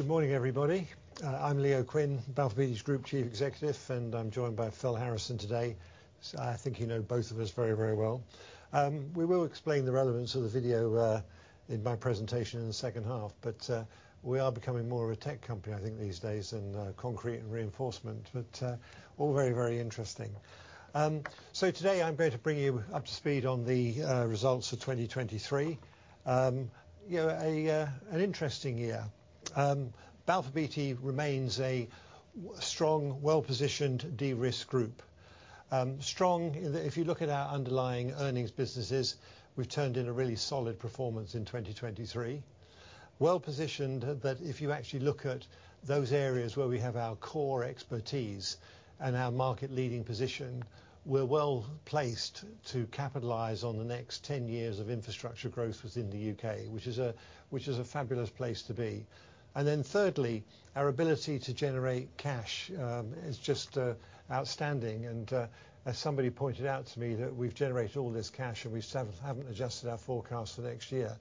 Good morning, everybody. I'm Leo Quinn, Balfour Beatty's Group Chief Executive, and I'm joined by Phil Harrison today. So I think you know both of us very, very well. We will explain the relevance of the video in my presentation in the second half, but we are becoming more of a tech company, I think, these days than concrete and reinforcement, but all very, very interesting. So today, I'm going to bring you up to speed on the results for 2023. You know, an interesting year. Balfour Beatty remains a strong, well-positioned, de-risked group. Strong in the, if you look at our underlying earnings businesses, we've turned in a really solid performance in 2023. Well-positioned, that if you actually look at those areas where we have our core expertise and our market leading position, we're well placed to capitalize on the next 10 years of infrastructure growth within the U.K., which is a, which is a fabulous place to be. And then thirdly, our ability to generate cash is just outstanding. And as somebody pointed out to me, that we've generated all this cash, and we still haven't adjusted our forecast for next year.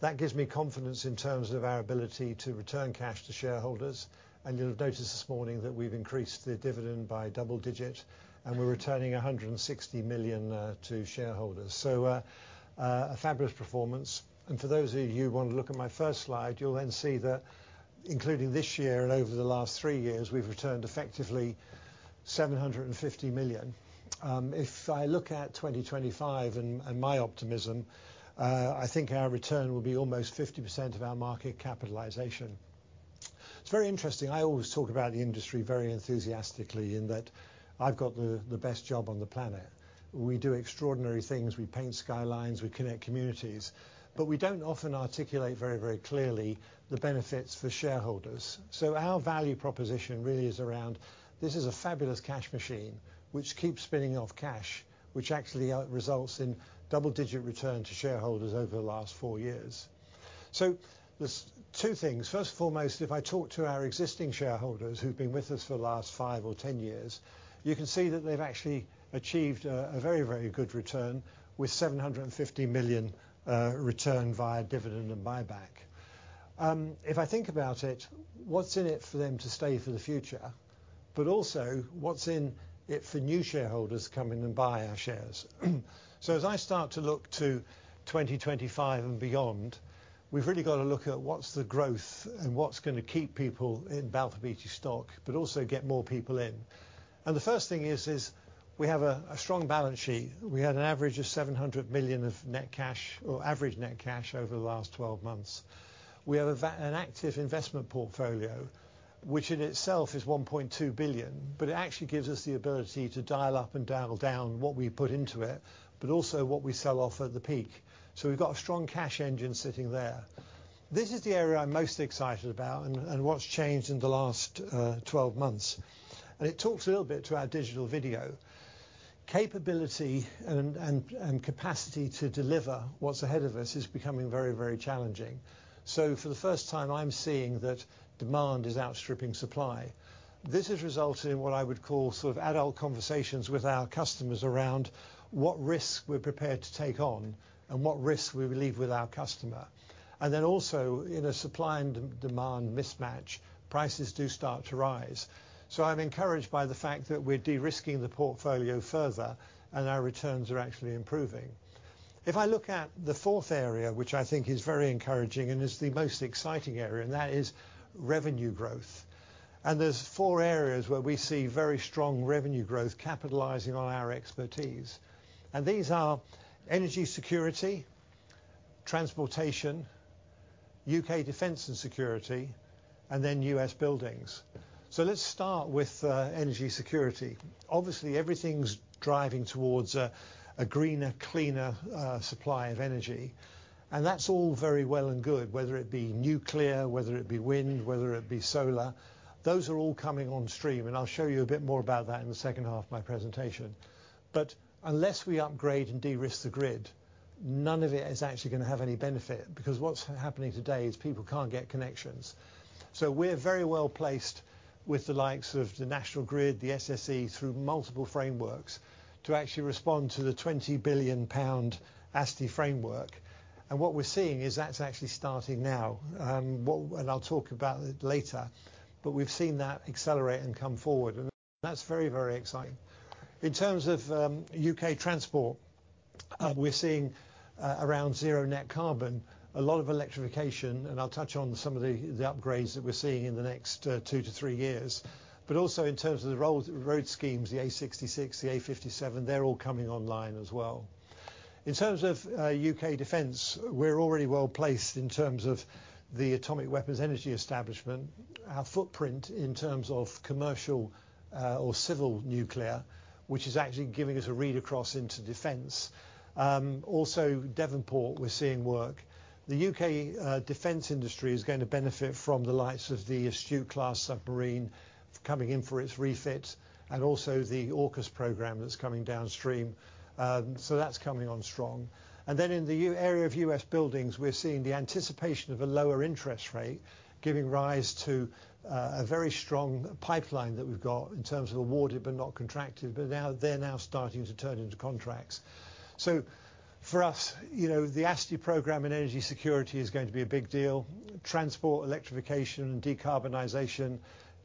That gives me confidence in terms of our ability to return cash to shareholders. And you'll have noticed this morning that we've increased the dividend by double digit, and we're returning 160 million to shareholders. So, a fabulous performance. For those of you who want to look at my first slide, you'll then see that including this year and over the last three years, we've returned effectively 750 million. If I look at 2025 and, and my optimism, I think our return will be almost 50% of our market capitalization. It's very interesting, I always talk about the industry very enthusiastically in that I've got the, the best job on the planet. We do extraordinary things. We paint skylines, we connect communities, but we don't often articulate very, very clearly the benefits for shareholders. So our value proposition really is around, this is a fabulous cash machine which keeps spinning off cash, which actually, results in double-digit return to shareholders over the last four years. So there's two things. First and foremost, if I talk to our existing shareholders who've been with us for the last five or 10 years, you can see that they've actually achieved a, a very, very good return with 750 million return via dividend and buyback. If I think about it, what's in it for them to stay for the future? But also, what's in it for new shareholders coming and buy our shares? So as I start to look to 2025 and beyond, we've really got to look at what's the growth and what's gonna keep people in Balfour Beatty stock, but also get more people in. And the first thing is, is we have a, a strong balance sheet. We had an average of 700 million of net cash or average net cash over the last 12 months. We have an active investment portfolio, which in itself is 1.2 billion, but it actually gives us the ability to dial up and dial down what we put into it, but also what we sell off at the peak. So we've got a strong cash engine sitting there. This is the area I'm most excited about and what's changed in the last 12 months. And it talks a little bit to our digital video capability and capacity to deliver what's ahead of us is becoming very, very challenging. So for the first time, I'm seeing that demand is outstripping supply. This has resulted in what I would call sort of adult conversations with our customers around what risks we're prepared to take on and what risks we will leave with our customer. In a supply and demand mismatch, prices do start to rise. So I'm encouraged by the fact that we're de-risking the portfolio further, and our returns are actually improving. If I look at the fourth area, which I think is very encouraging and is the most exciting area, and that is revenue growth. And there's four areas where we see very strong revenue growth, capitalizing on our expertise. And these are energy security, transportation, U.K. defense and security, and then U.S. buildings. So let's start with energy security. Obviously, everything's driving towards a greener, cleaner supply of energy, and that's all very well and good, whether it be nuclear, whether it be wind, whether it be solar. Those are all coming on stream, and I'll show you a bit more about that in the second half of my presentation. But unless we upgrade and de-risk the grid, none of it is actually gonna have any benefit, because what's happening today is people can't get connections. So we're very well placed with the likes of the National Grid, the SSE, through multiple frameworks, to actually respond to the 20 billion pound ASTI framework. And what we're seeing is that's actually starting now. And I'll talk about it later, but we've seen that accelerate and come forward, and that's very, very exciting. In terms of U.K. transport, we're seeing around zero net carbon, a lot of electrification, and I'll touch on some of the upgrades that we're seeing in the next two to three years. But also in terms of the roads, road schemes, the A66, the A57, they're all coming online as well. In terms of U.K. defense, we're already well-placed in terms of the Atomic Weapons Establishment, our footprint in terms of commercial or civil nuclear, which is actually giving us a read across into defense. Also, Devonport, we're seeing work. The U.K. defense industry is gonna benefit from the likes of the Astute-class submarine coming in for its refit, and also the AUKUS program that's coming downstream. So that's coming on strong. And then in the U.S. area of U.S. buildings, we're seeing the anticipation of a lower interest rate, giving rise to a very strong pipeline that we've got in terms of awarded but not contracted. But now, they're now starting to turn into contracts. So for us, you know, the ASTI program in energy security is going to be a big deal. Transport, electrification, and decarbonization,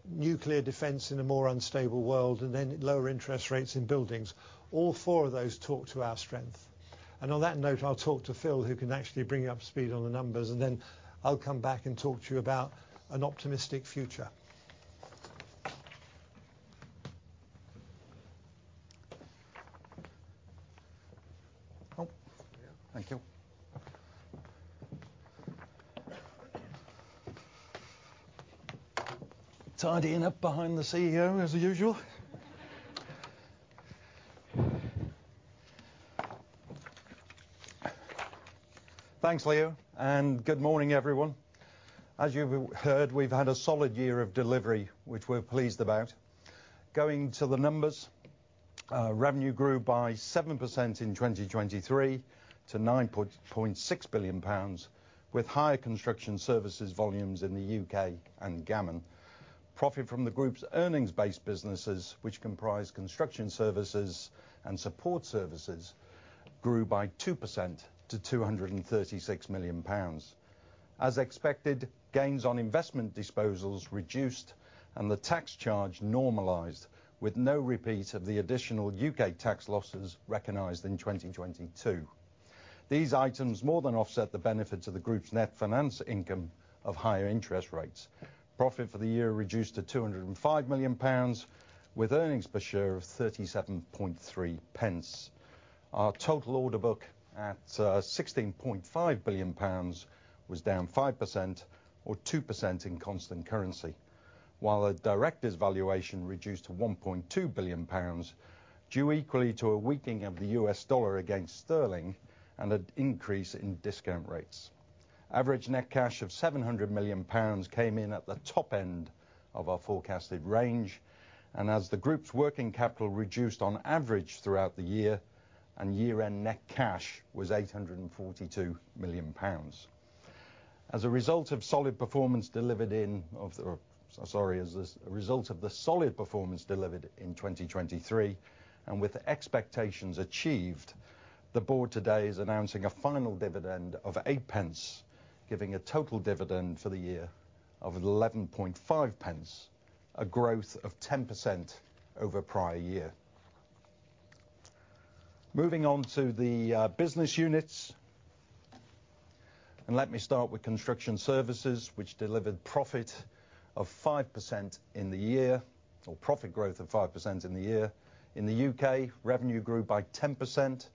nuclear defense in a more unstable world, and then lower interest rates in buildings. All four of those talk to our strength. And on that note, I'll talk to Phil, who can actually bring you up to speed on the numbers, and then I'll come back and talk to you about an optimistic future. Oh, thank you. Tidying up behind the CEO as usual. Thanks, Leo, and good morning, everyone. As you've heard, we've had a solid year of delivery, which we're pleased about. Going to the numbers, revenue grew by 7% in 2023 to 9.6 billion pounds, with higher construction services volumes in the U.K. and Gammon. Profit from the group's earnings-based businesses, which comprise construction services and support services, grew by 2% to 236 million pounds. As expected, gains on investment disposals reduced, and the tax charge normalized, with no repeat of the additional U.K. tax losses recognized in 2022. These items more than offset the benefits of the group's net finance income of higher interest rates. Profit for the year reduced to 205 million pounds, with earnings per share of 0.373. Our total order book, at 16.5 billion pounds, was down 5% or 2% in constant currency, while the Directors' valuation reduced to 1.2 billion pounds, due equally to a weakening of the U.S. dollar against sterling and an increase in discount rates. Average net cash of 700 million pounds came in at the top end of our forecasted range, and as the group's working capital reduced on average throughout the year, and year-end net cash was 842 million pounds. As a result of the solid performance delivered in 2023, and with expectations achieved, the board today is announcing a final dividend of 0.08, giving a total dividend for the year of 0.115, a growth of 10% over prior year. Moving on to the business units, and let me start with construction services, which delivered profit of 5% in the year or profit growth of 5% in the year. In the U.K., revenue grew by 10%,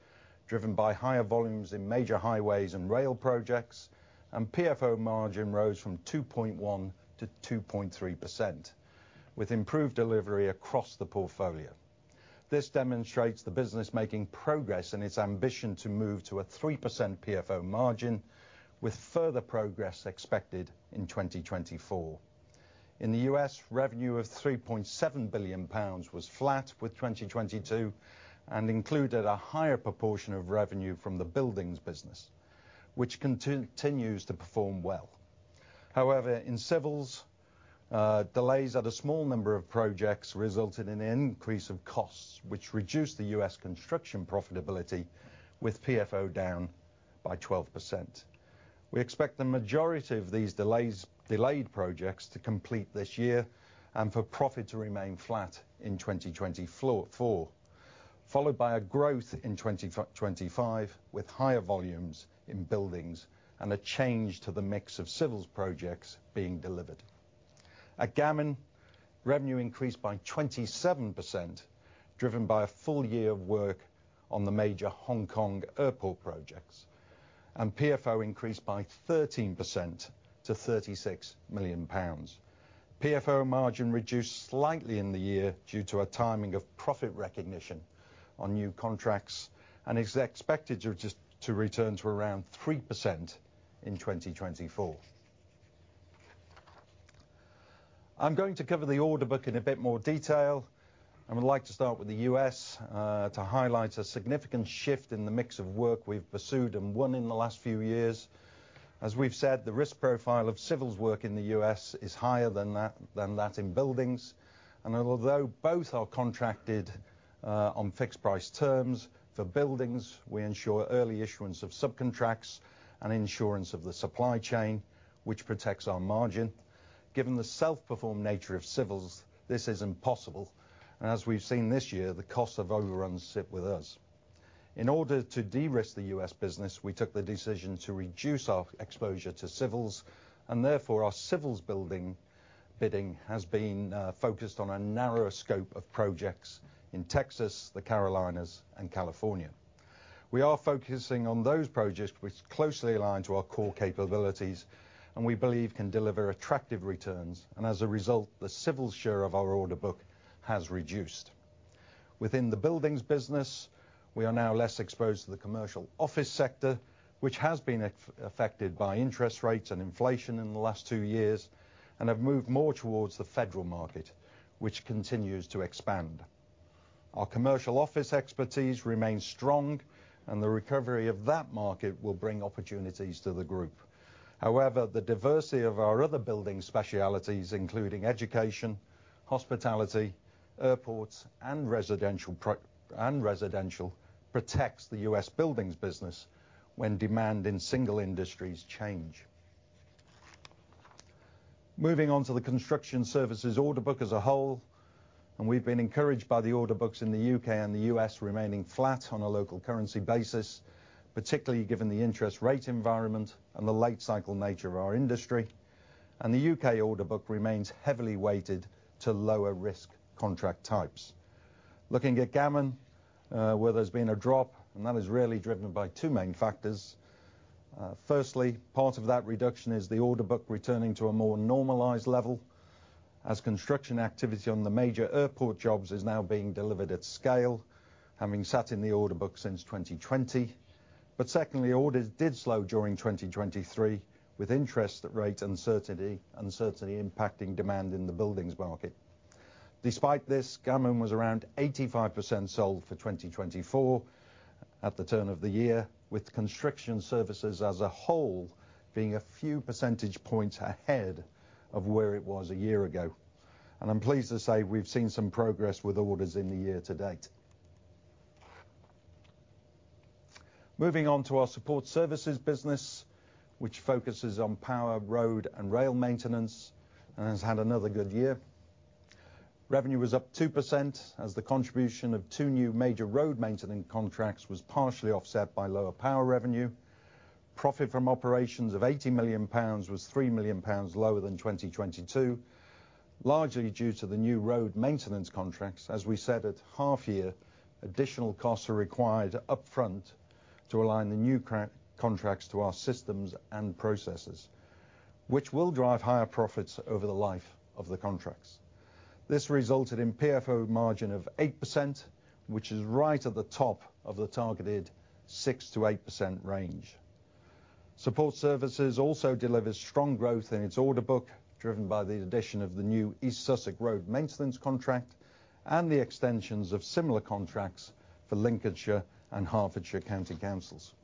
driven by higher volumes in major highways and rail projects, and PFO margin rose from 2.1%-2.3%, with improved delivery across the portfolio. This demonstrates the business making progress in its ambition to move to a 3% PFO margin, with further progress expected in 2024. In the U.S., revenue of 3.7 billion pounds was flat with 2022 and included a higher proportion of revenue from the buildings business, which continues to perform well. However, in civils, delays at a small number of projects resulted in an increase of costs, which reduced the U.S. construction profitability with PFO down by 12%. We expect the majority of these delays, delayed projects to complete this year and for profit to remain flat in 2024, followed by a growth in 2025, with higher volumes in buildings and a change to the mix of civils projects being delivered. At Gammon, revenue increased by 27%, driven by a full year of work on the major Hong Kong airport projects, and PFO increased by 13% to 36 million pounds. PFO margin reduced slightly in the year due to a timing of profit recognition on new contracts and is expected to just return to around 3% in 2024. I'm going to cover the order book in a bit more detail, and I'd like to start with the U.S., to highlight a significant shift in the mix of work we've pursued and won in the last few years. As we've said, the risk profile of civils work in the U.S. is higher than that, than that in buildings, and although both are contracted, on fixed price terms, for buildings, we ensure early issuance of subcontracts and insurance of the supply chain, which protects our margin. Given the self-performed nature of civils, this is impossible, and as we've seen this year, the cost of overruns sit with us. In order to de-risk the U.S. business, we took the decision to reduce our exposure to civils, and therefore, our civils building bidding has been focused on a narrower scope of projects in Texas, the Carolinas, and California. We are focusing on those projects which closely align to our core capabilities and we believe can deliver attractive returns, and as a result, the civils share of our order book has reduced. Within the buildings business, we are now less exposed to the commercial office sector, which has been affected by interest rates and inflation in the last two years, and have moved more towards the federal market, which continues to expand. Our commercial office expertise remains strong, and the recovery of that market will bring opportunities to the group. However, the diversity of our other building specialties, including education, hospitality, airports, and residential, protects the U.S. buildings business when demand in single industries change. Moving on to the construction services order book as a whole, and we've been encouraged by the order books in the U.K. and the U.S. remaining flat on a local currency basis, particularly given the interest rate environment and the late cycle nature of our industry. The U.K. order book remains heavily weighted to lower risk contract types. Looking at Gammon, where there's been a drop, and that is really driven by two main factors. Firstly, part of that reduction is the order book returning to a more normalized level as construction activity on the major airport jobs is now being delivered at scale, having sat in the order book since 2020. Secondly, orders did slow during 2023, with interest rate uncertainty, uncertainty impacting demand in the buildings market. Despite this, Gammon was around 85% sold for 2024 at the turn of the year, with construction services as a whole being a few percentage points ahead of where it was a year ago. I'm pleased to say we've seen some progress with orders in the year to date. Moving on to our support services business, which focuses on power, road, and rail maintenance and has had another good year. Revenue was up 2%, as the contribution of two new major road maintenance contracts was partially offset by lower power revenue. Profit from operations of 80 million pounds was 3 million pounds lower than 2022, largely due to the new road maintenance contracts. As we said, at half year, additional costs are required upfront to align the new contracts to our systems and processes, which will drive higher profits over the life of the contracts. This resulted in PFO margin of 8%, which is right at the top of the targeted 6%-8% range. Support services also delivers strong growth in its order book, driven by the addition of the new East Sussex road maintenance contract and the extensions of similar contracts for Lincolnshire and Hertfordshire county councils.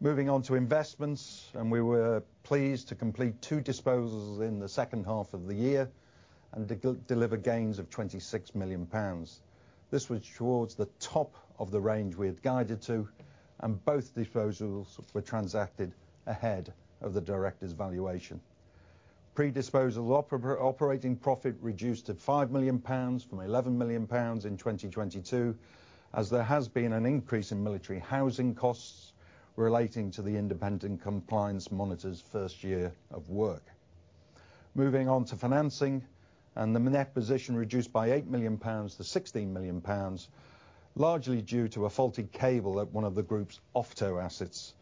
Moving on to investments, we were pleased to complete two disposals in the second half of the year and deliver gains of 26 million pounds. This was towards the top of the range we had guided to, and both disposals were transacted ahead of the directors' valuation. Pre-disposal operating profit reduced to 5 million pounds from 11 million pounds in 2022, as there has been an increase in military housing costs relating to the independent compliance monitor's first year of work. Moving on to financing, the net position reduced by 8 million-16 million pounds, largely due to a faulty cable at one of the group's OFTO assets.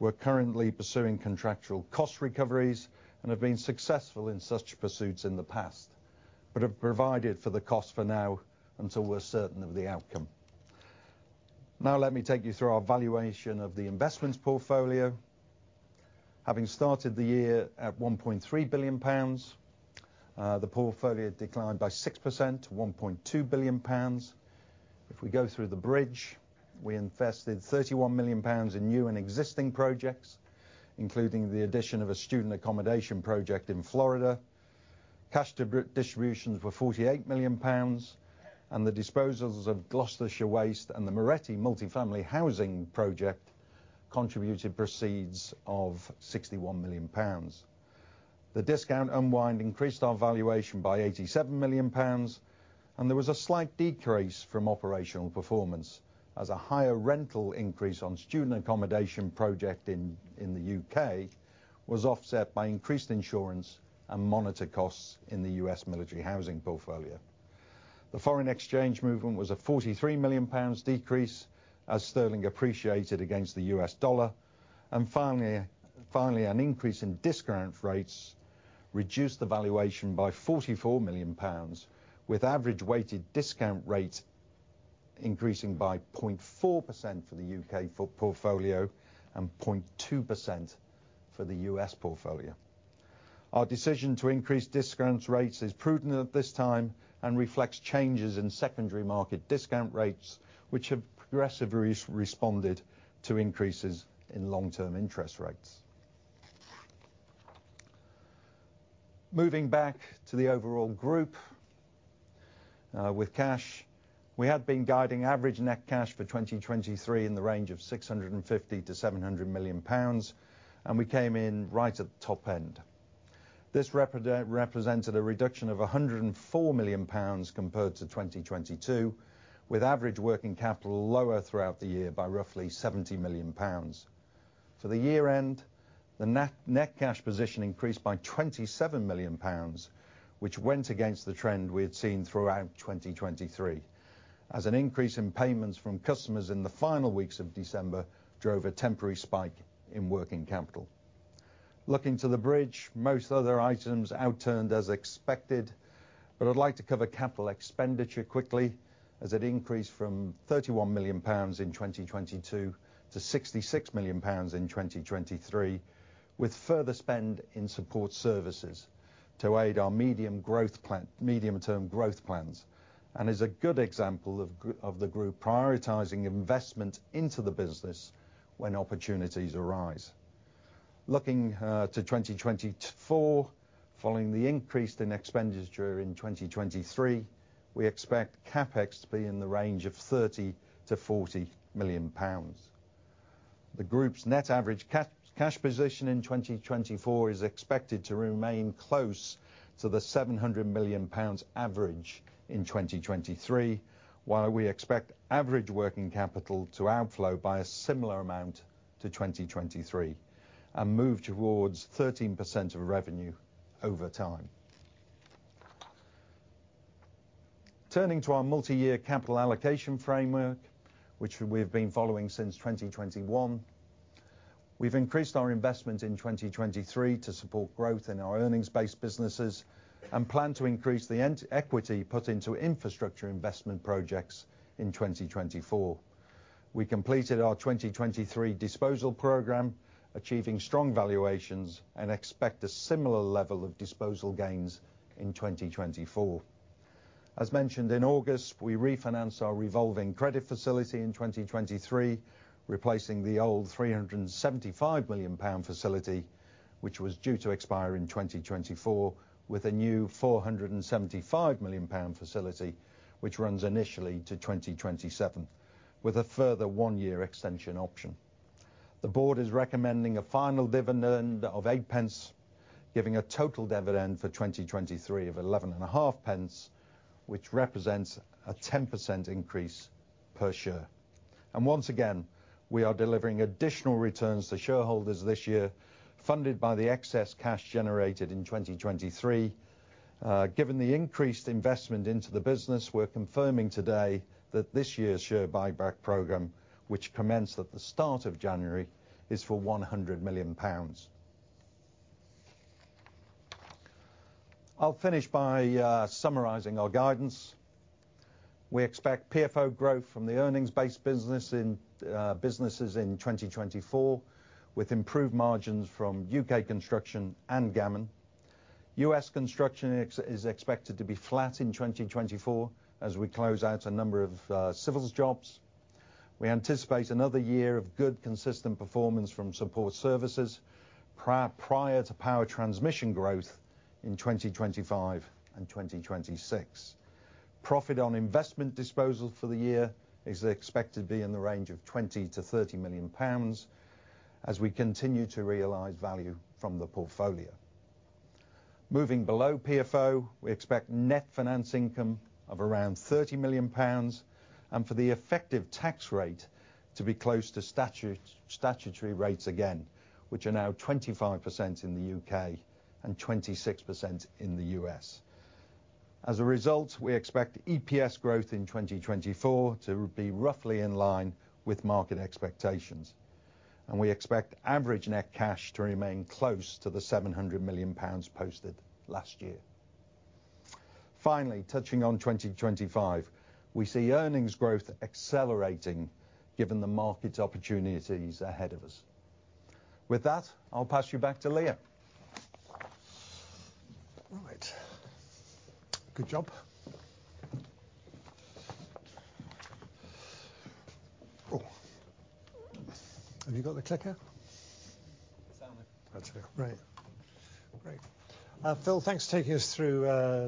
We're currently pursuing contractual cost recoveries and have been successful in such pursuits in the past, but have provided for the cost for now until we're certain of the outcome. Now, let me take you through our valuation of the investments portfolio. Having started the year at 1.3 billion pounds, the portfolio declined by 6% to 1.2 billion pounds. If we go through the bridge, we invested 31 million pounds in new and existing projects, including the addition of a student accommodation project in Florida. Cash dividend distributions were 48 million pounds, and the disposals of Gloucestershire Waste and the Moretti multifamily housing project contributed proceeds of 61 million pounds. The discount unwind increased our valuation by 87 million pounds, and there was a slight decrease from operational performance as a higher rental increase on student accommodation project in the U.K. was offset by increased insurance and monitor costs in the U.S. military housing portfolio. The foreign exchange movement was a 43 million pounds decrease, as sterling appreciated against the U.S. dollar. Finally, finally, an increase in discount rates reduced the valuation by 44 million pounds, with average weighted discount rates increasing by 0.4% for the U.K. portfolio and 0.2% for the U.S. portfolio. Our decision to increase discount rates is prudent at this time and reflects changes in secondary market discount rates, which have progressively responded to increases in long-term interest rates. Moving back to the overall group, with cash, we had been guiding average net cash for 2023 in the range of 650 million-700 million pounds, and we came in right at the top end. This represented a reduction of 104 million pounds compared to 2022, with average working capital lower throughout the year by roughly 70 million pounds. For the year end, the net, net cash position increased by 27 million pounds, which went against the trend we had seen throughout 2023, as an increase in payments from customers in the final weeks of December drove a temporary spike in working capital. Looking to the bridge, most other items outturned as expected, but I'd like to cover capital expenditure quickly, as it increased from 31 million pounds in 2022 to 66 million pounds in 2023, with further spend in support services to aid our medium growth plan, medium-term growth plans, and is a good example of of the group prioritizing investment into the business when opportunities arise. Looking to 2024, following the increase in expenditure in 2023, we expect CapEx to be in the range of 30 million-40 million pounds. The group's net average cash position in 2024 is expected to remain close to the 700 million pounds average in 2023, while we expect average working capital to outflow by a similar amount to 2023 and move towards 13% of revenue over time. Turning to our multi-year capital allocation framework, which we've been following since 2021, we've increased our investment in 2023 to support growth in our earnings-based businesses and plan to increase the end equity put into infrastructure investment projects in 2024. We completed our 2023 disposal program, achieving strong valuations, and expect a similar level of disposal gains in 2024. As mentioned in August, we refinanced our revolving credit facility in 2023, replacing the old 375 million pound facility, which was due to expire in 2024, with a new 475 million pound facility, which runs initially to 2027, with a further one-year extension option. The board is recommending a final dividend of 0.08, giving a total dividend for 2023 of 0.115, which represents a 10% increase per share. And once again, we are delivering additional returns to shareholders this year, funded by the excess cash generated in 2023. Given the increased investment into the business, we're confirming today that this year's share buyback program, which commenced at the start of January, is for 100 million pounds. I'll finish by summarizing our guidance. We expect PFO growth from the earnings-based business in businesses in 2024, with improved margins from U.K. construction and Gammon. U.S. construction is expected to be flat in 2024 as we close out a number of civils jobs. We anticipate another year of good, consistent performance from support services, prior to power transmission growth in 2025 and 2026. Profit on investment disposal for the year is expected to be in the range of 20 million-30 million pounds as we continue to realize value from the portfolio. Moving below PFO, we expect net finance income of around 30 million pounds, and for the effective tax rate to be close to statutory rates again, which are now 25% in the U.K. and 26% in the U.S. As a result, we expect EPS growth in 2024 to be roughly in line with market expectations, and we expect average net cash to remain close to 700 million pounds posted last year. Finally, touching on 2025, we see earnings growth accelerating given the market opportunities ahead of us. With that, I'll pass you back to Leo. All right. Good job. Oh, have you got the clicker? It's on there. That's great. Great. Phil, thanks for taking us through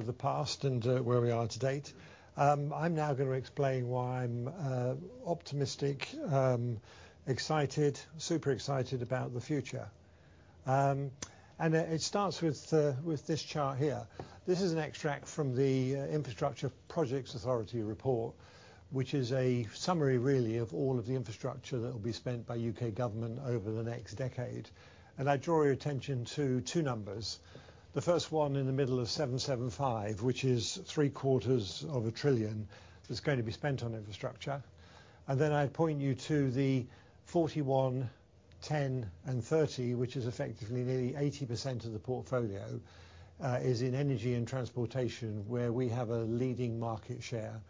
the past and where we are to date. I'm now gonna explain why I'm optimistic, excited, super excited about the future. And it starts with this chart here. This is an extract from the Infrastructure and Projects Authority report, which is a summary, really, of all of the infrastructure that will be spent by U.K. government over the next decade. I draw your attention to two numbers. The first one in the middle of 775, which is three quarters of a trillion, that's going to be spent on infrastructure. And then, I'd point you to the 41, 10, and 30, which is effectively nearly 80% of the portfolio is in energy and transportation, where we have a leading market share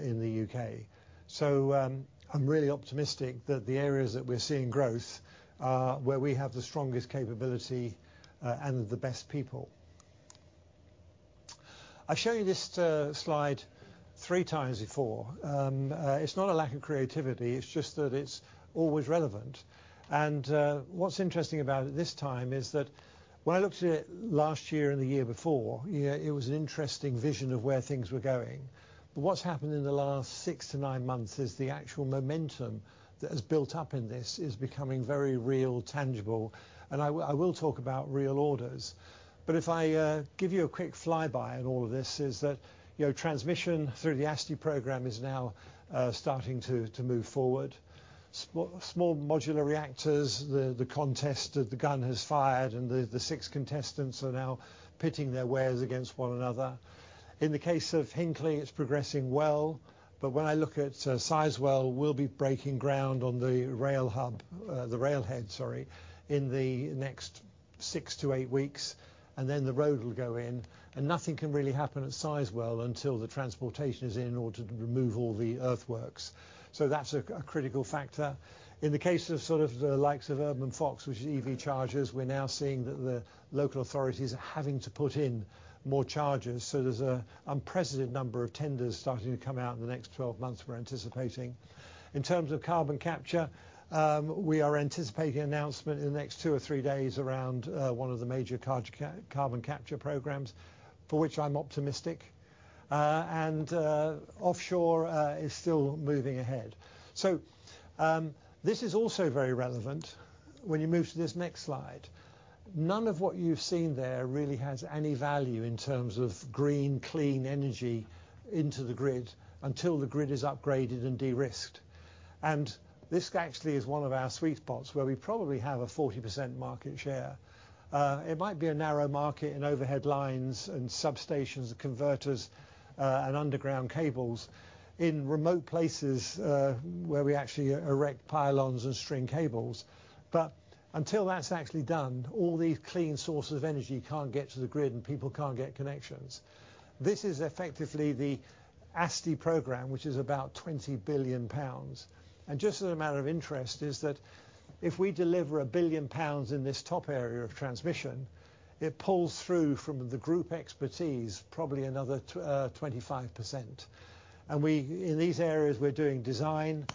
in the U.K. So, I'm really optimistic that the areas that we're seeing growth are where we have the strongest capability, and the best people. I've shown you this, slide three times before. It's not a lack of creativity, it's just that it's always relevant. And, what's interesting about it this time is that when I looked at it last year and the year before, yeah, it was an interesting vision of where things were going. But what's happened in the last six to nine months is the actual momentum that has built up in this is becoming very real tangible, and I will, I will talk about real orders. But if I, give you a quick flyby on all of this, is that, you know, transmission through the ASTI program is now, starting to, to move forward. Small modular reactors, the contest, the gun has fired, and the six contestants are now pitting their wares against one another. In the case of Hinkley, it's progressing well, but when I look at Sizewell, we'll be breaking ground on the rail hub, the rail head, sorry, in the next six to eight weeks, and then the road will go in, and nothing can really happen at Sizewell until the transportation is in order to remove all the earthworks. So that's a critical factor. In the case of sort of the likes of Urban Fox, which is EV chargers, we're now seeing that the local authorities are having to put in more chargers, so there's an unprecedented number of tenders starting to come out in the next 12 months, we're anticipating. In terms of carbon capture, we are anticipating an announcement in the next two or three days around one of the major carbon capture programs, for which I'm optimistic. And offshore is still moving ahead. So, this is also very relevant when you move to this next slide. None of what you've seen there really has any value in terms of green, clean energy into the grid until the grid is upgraded and de-risked. And this actually is one of our sweet spots where we probably have a 40% market share. It might be a narrow market in overhead lines and substations and converters, and underground cables in remote places, where we actually erect pylons and string cables. But until that's actually done, all these clean sources of energy can't get to the grid, and people can't get connections. This is effectively the ASTI program, which is about 20 billion pounds. Just as a matter of interest, is that if we deliver a billion pounds in this top area of transmission, it pulls through from the group expertise, probably another 25%. And we, in these areas, we're doing design.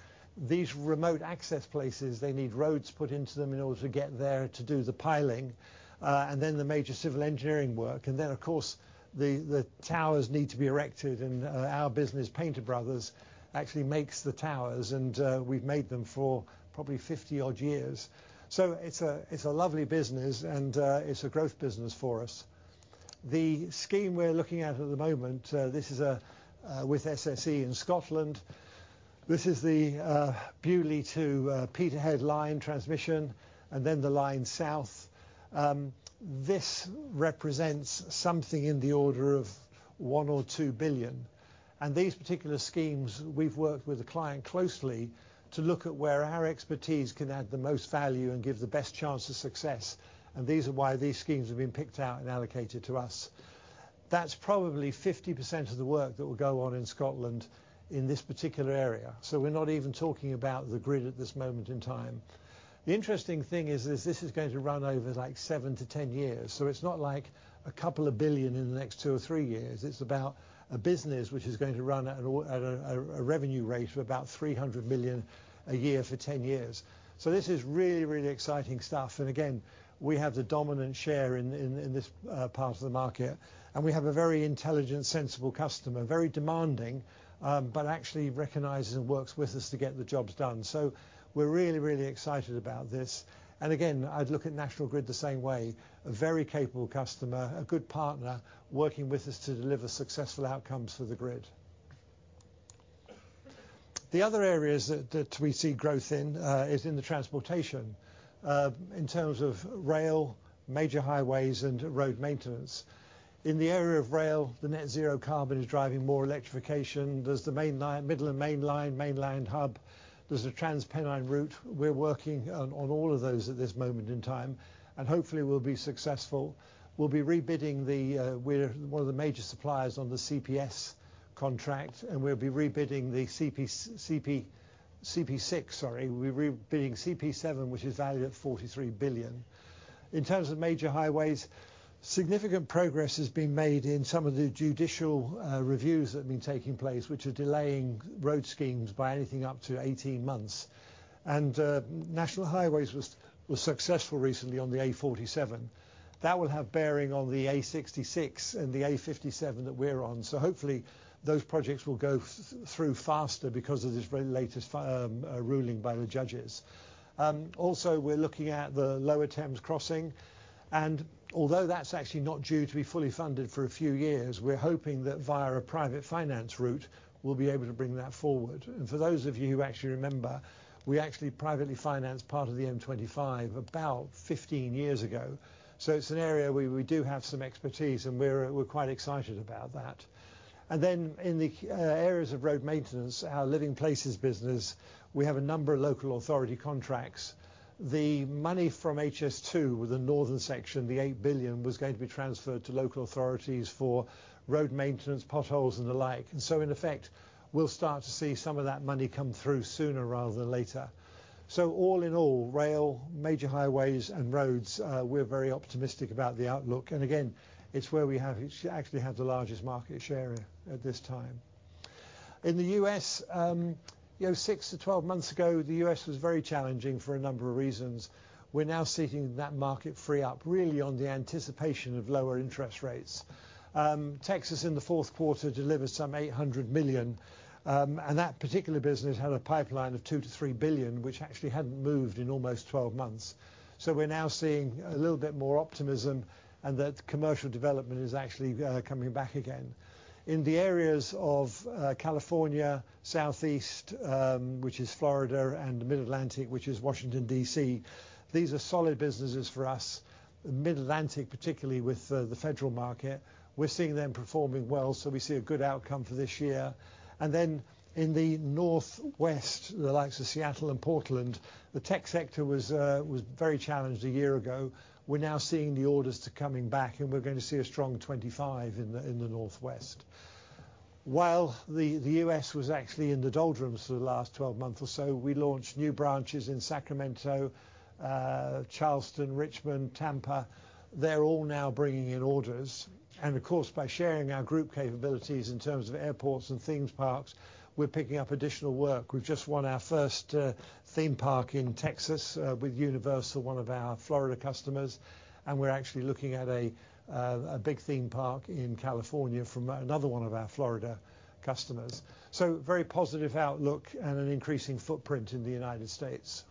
These remote access places, they need roads put into them in order to get there, to do the piling, and then the major civil engineering work. And then, of course, the, the towers need to be erected, and, our business, Painter Brothers, actually makes the towers, and, we've made them for probably 50-odd years. So it's a, it's a lovely business, and, it's a growth business for us. The scheme we're looking at, at the moment, this is, with SSE in Scotland. This is the Beauly to Peterhead line transmission, and then the line south. This represents something in the order of 1-2 billion. And these particular schemes, we've worked with the client closely to look at where our expertise can add the most value and give the best chance of success, and these are why these schemes have been picked out and allocated to us. That's probably 50% of the work that will go on in Scotland in this particular area, so we're not even talking about the grid at this moment in time. The interesting thing is, is this is going to run over, like, seven to 10 years, so it's not like a couple of 2 billion in the next two to three years. It's about a business which is going to run at a revenue rate of about 300 million a year for 10 years. So this is really, really exciting stuff. And again, we have the dominant share in this part of the market, and we have a very intelligent, sensible customer. Very demanding, but actually recognizes and works with us to get the jobs done. So we're really, really excited about this. And again, I'd look at National Grid the same way. A very capable customer, a good partner, working with us to deliver successful outcomes for the grid. The other areas that we see growth in is in the transportation, in terms of rail, major highways, and road maintenance. In the area of rail, the Net Zero Carbon is driving more electrification. There's the main line, Midland Main Line, Midlands Hub. There's a TransPennine route. We're working on all of those at this moment in time, and hopefully we'll be successful. We'll be rebidding. We're one of the major suppliers on the CP contract, and we'll be rebidding CP6, sorry. We're rebidding CP7, which is valued at 43 billion. In terms of major highways, significant progress has been made in some of the judicial reviews that have been taking place, which are delaying road schemes by anything up to 18 months. And National Highways was successful recently on the A47. That will have bearing on the A66 and the A57 that we're on. So hopefully, those projects will go through faster because of this very latest final ruling by the judges. Also, we're looking at the Lower Thames Crossing, and although that's actually not due to be fully funded for a few years, we're hoping that via a private finance route, we'll be able to bring that forward. And for those of you who actually remember, we actually privately financed part of the M25 about 15 years ago. So it's an area where we do have some expertise, and we're quite excited about that. And then, in the key areas of road maintenance, our Living Places business, we have a number of local authority contracts. The money from HS2, the northern section, the 8 billion, was going to be transferred to local authorities for road maintenance, potholes, and the like. And so, in effect, we'll start to see some of that money come through sooner rather than later. So all in all, rail, major highways, and roads, we're very optimistic about the outlook, and again, it's where we have, actually have the largest market share at this time. In the U.S., you know, six to 12 months ago, the U.S. was very challenging for a number of reasons. We're now seeing that market free up, really on the anticipation of lower interest rates. Texas, in the fourth quarter, delivered some $800 million, and that particular business had a pipeline of $2 billion-$3 billion, which actually hadn't moved in almost 12 months. So we're now seeing a little bit more optimism, and that commercial development is actually coming back again. In the areas of California, Southeast, which is Florida, and the Mid-Atlantic, which is Washington, D.C., these are solid businesses for us. Mid-Atlantic, particularly with the federal market, we're seeing them performing well, so we see a good outcome for this year. And then, in the Northwest, the likes of Seattle and Portland, the tech sector was very challenged a year ago. We're now seeing the orders to coming back, and we're going to see a strong 25 in the Northwest. While the U.S. was actually in the doldrums for the last 12 months or so, we launched new branches in Sacramento, Charleston, Richmond, Tampa. They're all now bringing in orders. And of course, by sharing our group capabilities in terms of airports and theme parks, we're picking up additional work. We've just won our first theme park in Texas with Universal, one of our Florida customers, and we're actually looking at a big theme park in California from another one of our Florida customers. So very positive outlook and an increasing footprint in the U.S.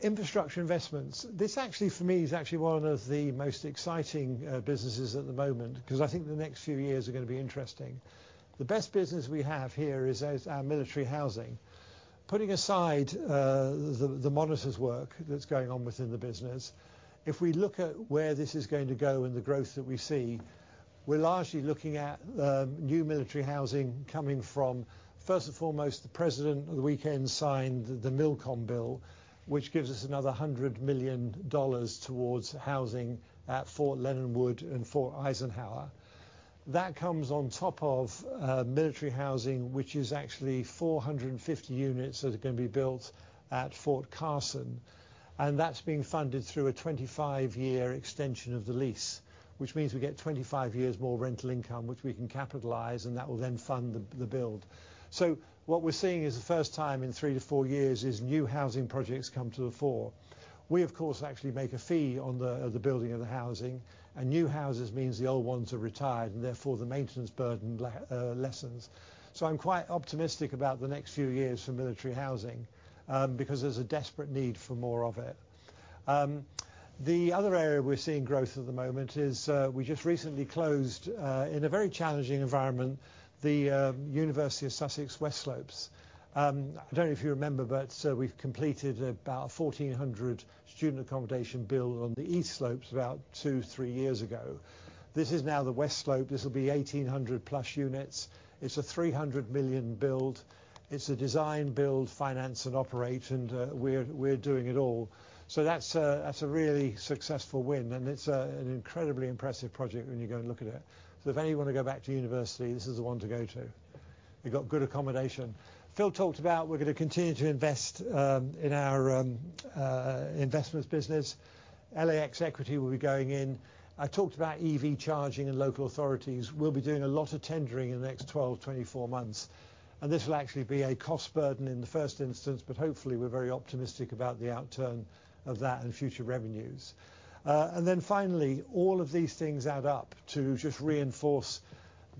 Infrastructure investments. This actually, for me, is actually one of the most exciting businesses at the moment, 'cause I think the next few years are gonna be interesting. The best business we have here is as our military housing. Putting aside the monitors work that's going on within the business, if we look at where this is going to go and the growth that we see, we're largely looking at new military housing coming from, first and foremost, the President over the weekend signed the MILCON bill, which gives us another $100 million towards housing at Fort Leonard Wood and Fort Eisenhower. That comes on top of military housing, which is actually 450 units that are gonna be built at Fort Carson, and that's being funded through a 25-year extension of the lease, which means we get 25 years more rental income, which we can capitalize, and that will then fund the build. So what we're seeing is the first time in three to four years is new housing projects come to the fore. We, of course, actually make a fee on the, the building of the housing, and new houses means the old ones are retired, and therefore, the maintenance burden lessens. So I'm quite optimistic about the next few years for military housing, because there's a desperate need for more of it. The other area we're seeing growth at the moment is, we just recently closed, in a very challenging environment, the, University of Sussex West Slope. I don't know if you remember, but, we've completed about 1,400 student accommodation build on the East Slopes about two, three years ago. This is now the West Slope. This will be 1,800+ units. It's a 300 million build. It's a design build, finance and operate, and, we're, we're doing it all. So that's a really successful win, and it's an incredibly impressive project when you go and look at it. So if any of you wanna go back to university, this is the one to go to. You've got good accommodation. Phil talked about we're gonna continue to invest in our investments business. LAX Equity will be going in. I talked about EV charging and local authorities. We'll be doing a lot of tendering in the next 12-24 months, and this will actually be a cost burden in the first instance, but hopefully, we're very optimistic about the outturn of that and future revenues. And then finally, all of these things add up to just reinforce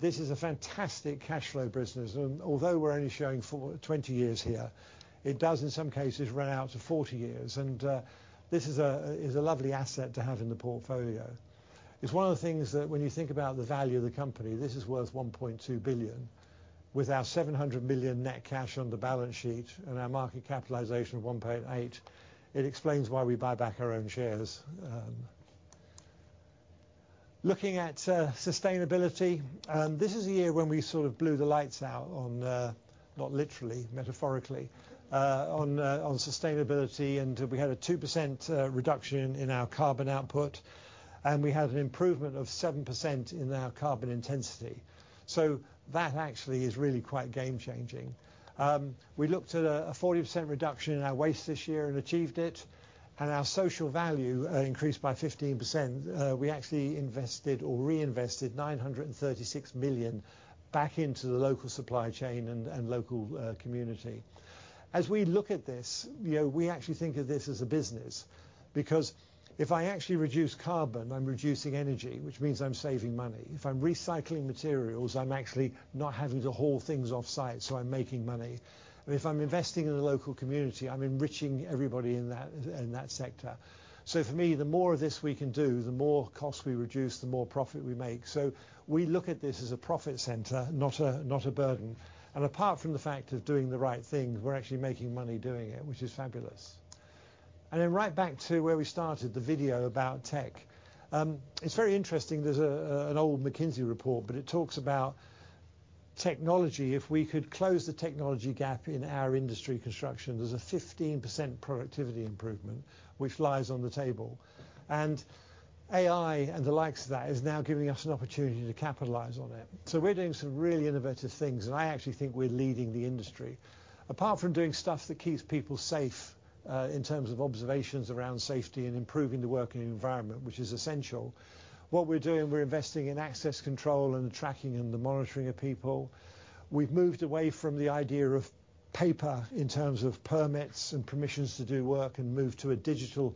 this is a fantastic cash flow business. And although we're only showing for 20 years here, it does, in some cases, run out to 40 years. This is a lovely asset to have in the portfolio. It's one of the things that when you think about the value of the company, this is worth $1.2 billion, with our $700 million net cash on the balance sheet and our market capitalization of 1.8 billion, it explains why we buy back our own shares. Looking at sustainability, this is a year when we sort of blew the lights out on, not literally, metaphorically, on sustainability, and we had a 2% reduction in our carbon output, and we had an improvement of 7% in our carbon intensity. So that actually is really quite game-changing. We looked at a 40% reduction in our waste this year and achieved it, and our social value increased by 15%. We actually invested or reinvested $936 million back into the local supply chain and local community. As we look at this, you know, we actually think of this as a business, because if I actually reduce carbon, I'm reducing energy, which means I'm saving money. If I'm recycling materials, I'm actually not having to haul things off-site, so I'm making money. And if I'm investing in the local community, I'm enriching everybody in that sector. So for me, the more of this we can do, the more cost we reduce, the more profit we make. So we look at this as a profit center, not a burden, and apart from the fact of doing the right thing, we're actually making money doing it, which is fabulous. And then right back to where we started, the video about tech. It's very interesting. There's an old McKinsey report, but it talks about technology. If we could close the technology gap in our industry construction, there's a 15% productivity improvement, which lies on the table. And AI and the likes of that is now giving us an opportunity to capitalize on it. So we're doing some really innovative things, and I actually think we're leading the industry. Apart from doing stuff that keeps people safe, in terms of observations around safety and improving the working environment, which is essential, what we're doing, we're investing in access control and the tracking and the monitoring of people. We've moved away from the idea of paper in terms of permits and permissions to do work and move to a digital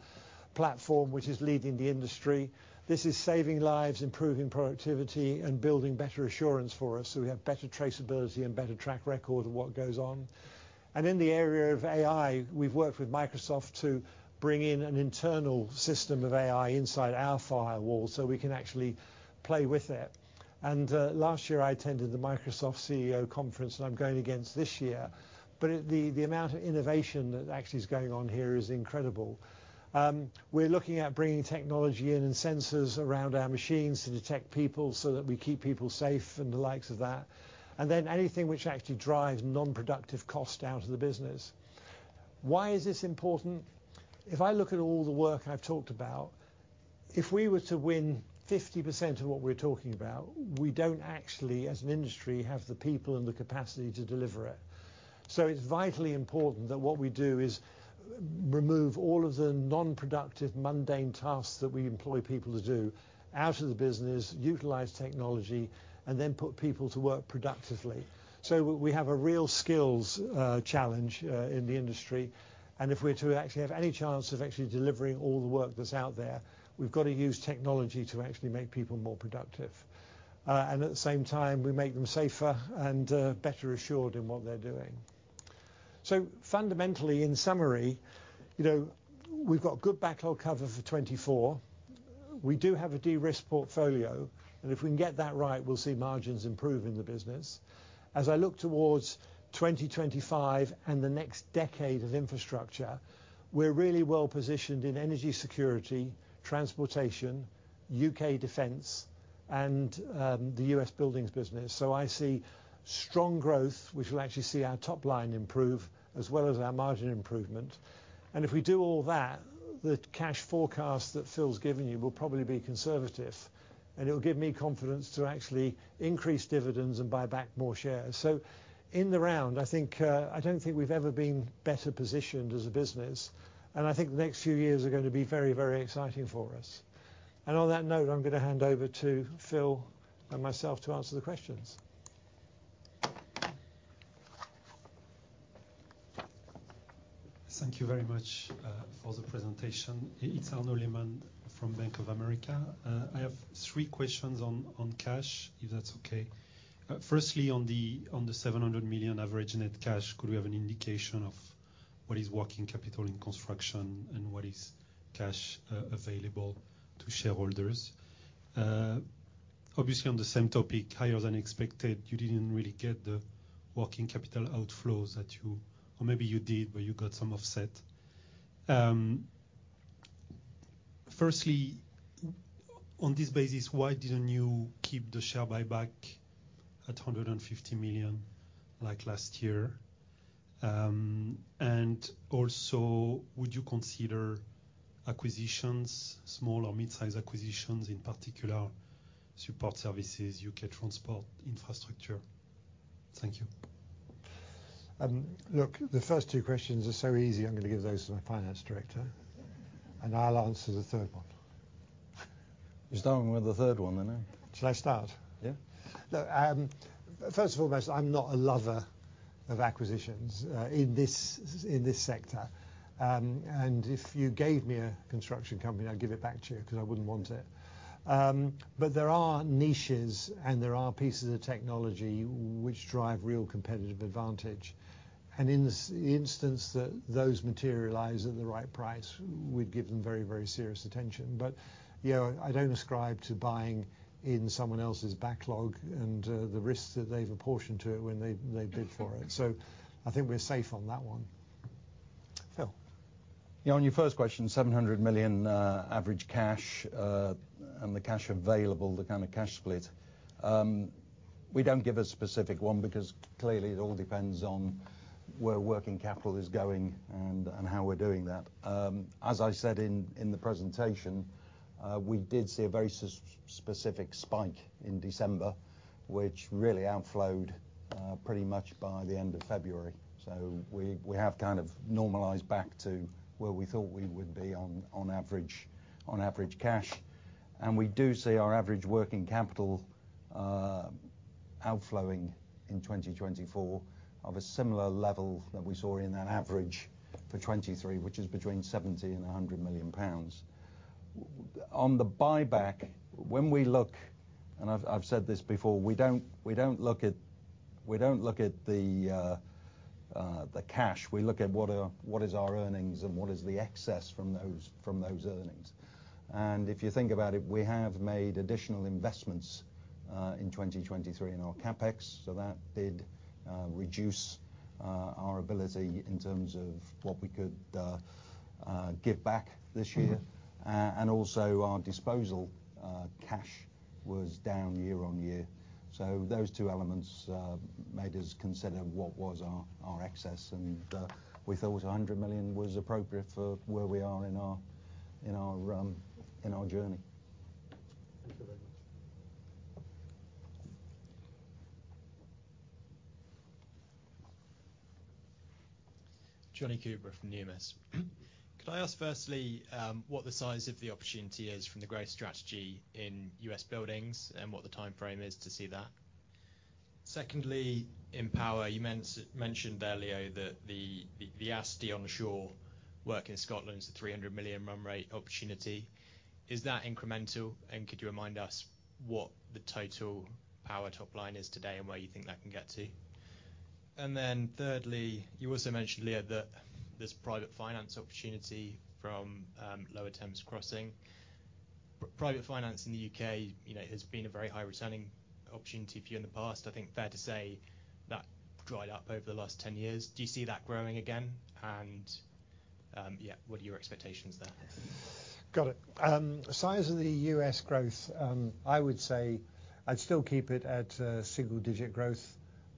platform, which is leading the industry. This is saving lives, improving productivity, and building better assurance for us, so we have better traceability and better track record of what goes on. And in the area of AI, we've worked with Microsoft to bring in an internal system of AI inside our firewall, so we can actually play with it. And last year, I attended the Microsoft CEO conference, and I'm going again this year. But the amount of innovation that actually is going on here is incredible. We're looking at bringing technology in and sensors around our machines to detect people so that we keep people safe and the likes of that, and then anything which actually drives non-productive cost out of the business. Why is this important? If I look at all the work I've talked about, if we were to win 50% of what we're talking about, we don't actually, as an industry, have the people and the capacity to deliver it. So it's vitally important that what we do is remove all of the non-productive, mundane tasks that we employ people to do out of the business, utilize technology, and then put people to work productively. So we have a real skills challenge in the industry, and if we're to actually have any chance of actually delivering all the work that's out there, we've got to use technology to actually make people more productive. And at the same time, we make them safer and better assured in what they're doing. So fundamentally, in summary, you know, we've got good backlog cover for 2024. We do have a de-risk portfolio, and if we can get that right, we'll see margins improve in the business. As I look towards 2025, and the next decade of infrastructure, we're really well positioned in energy security, transportation, U.K. defense, and the U.S. buildings business. So I see strong growth, which will actually see our top line improve as well as our margin improvement. And if we do all that, the cash forecast that Phil's given you will probably be conservative, and it'll give me confidence to actually increase dividends and buy back more shares. So in the round, I think, I don't think we've ever been better positioned as a business, and I think the next few years are gonna be very, very exciting for us. And on that note, I'm gonna hand over to Phil and myself to answer the questions. Thank you very much for the presentation. It's Arnaud Lehmann from Bank of America. I have three questions on cash, if that's okay. Firstly, on the 700 million average net cash, could we have an indication of what is working capital in construction and what is cash available to shareholders? Obviously, on the same topic, higher than expected, you didn't really get the working capital outflows that you—or maybe you did, but you got some offset. Firstly, on this basis, why didn't you keep the share buyback at 150 million like last year? And also, would you consider acquisitions, small or mid-size acquisitions, in particular, support services, U.K. transport, infrastructure? Thank you. Look, the first two questions are so easy, I'm gonna give those to my finance director, and I'll answer the third one. You're starting with the third one then, eh? Should I start? Yeah. Look, first and foremost, I'm not a lover of acquisitions in this sector. If you gave me a construction company, I'd give it back to you, 'cause I wouldn't want it. But there are niches, and there are pieces of technology which drive real competitive advantage. And in this instance, if those materialize at the right price, we'd give them very, very serious attention. But, you know, I don't ascribe to buying in someone else's backlog and the risks that they've apportioned to it when they bid for it. So I think we're safe on that one. Phil? Yeah, on your first question, 700 million average cash and the cash available, the kind of cash split. We don't give a specific one, because clearly it all depends on where working capital is going and how we're doing that. As I said in the presentation, we did see a very specific spike in December, which really outflowed pretty much by the end of February. So we have kind of normalized back to where we thought we would be on average cash. And we do see our average working capital outflowing in 2024 of a similar level that we saw in that average for 2023, which is between 70 million-100 million pounds. On the buyback, when we look, and I've said this before, we don't look at the cash. We look at what is our earnings and what is the excess from those earnings. And if you think about it, we have made additional investments in 2023 in our CapEx, so that did reduce our ability in terms of what we could give back this year. And also, our disposal cash was down year-on-year. So those two elements made us consider what was our excess, and we thought 100 million was appropriate for where we are in our journey. Thank you very much. Jonny Coubrough from Numis. Could I ask firstly, what the size of the opportunity is from the growth strategy in U.S. buildings and what the timeframe is to see that? Secondly, in power, you mentioned earlier that the ASTI onshore work in Scotland is a 300 million run rate opportunity. Is that incremental? And could you remind us what the total power top line is today and where you think that can get to? And then thirdly, you also mentioned earlier that there's private finance opportunity from Lower Thames Crossing. Private finance in the U.K., you know, has been a very high-returning opportunity for you in the past. I think fair to say that dried up over the last 10 years. Do you see that growing again? And-... yeah, what are your expectations there? Got it. The size of the U.S. growth, I would say I'd still keep it at single digit growth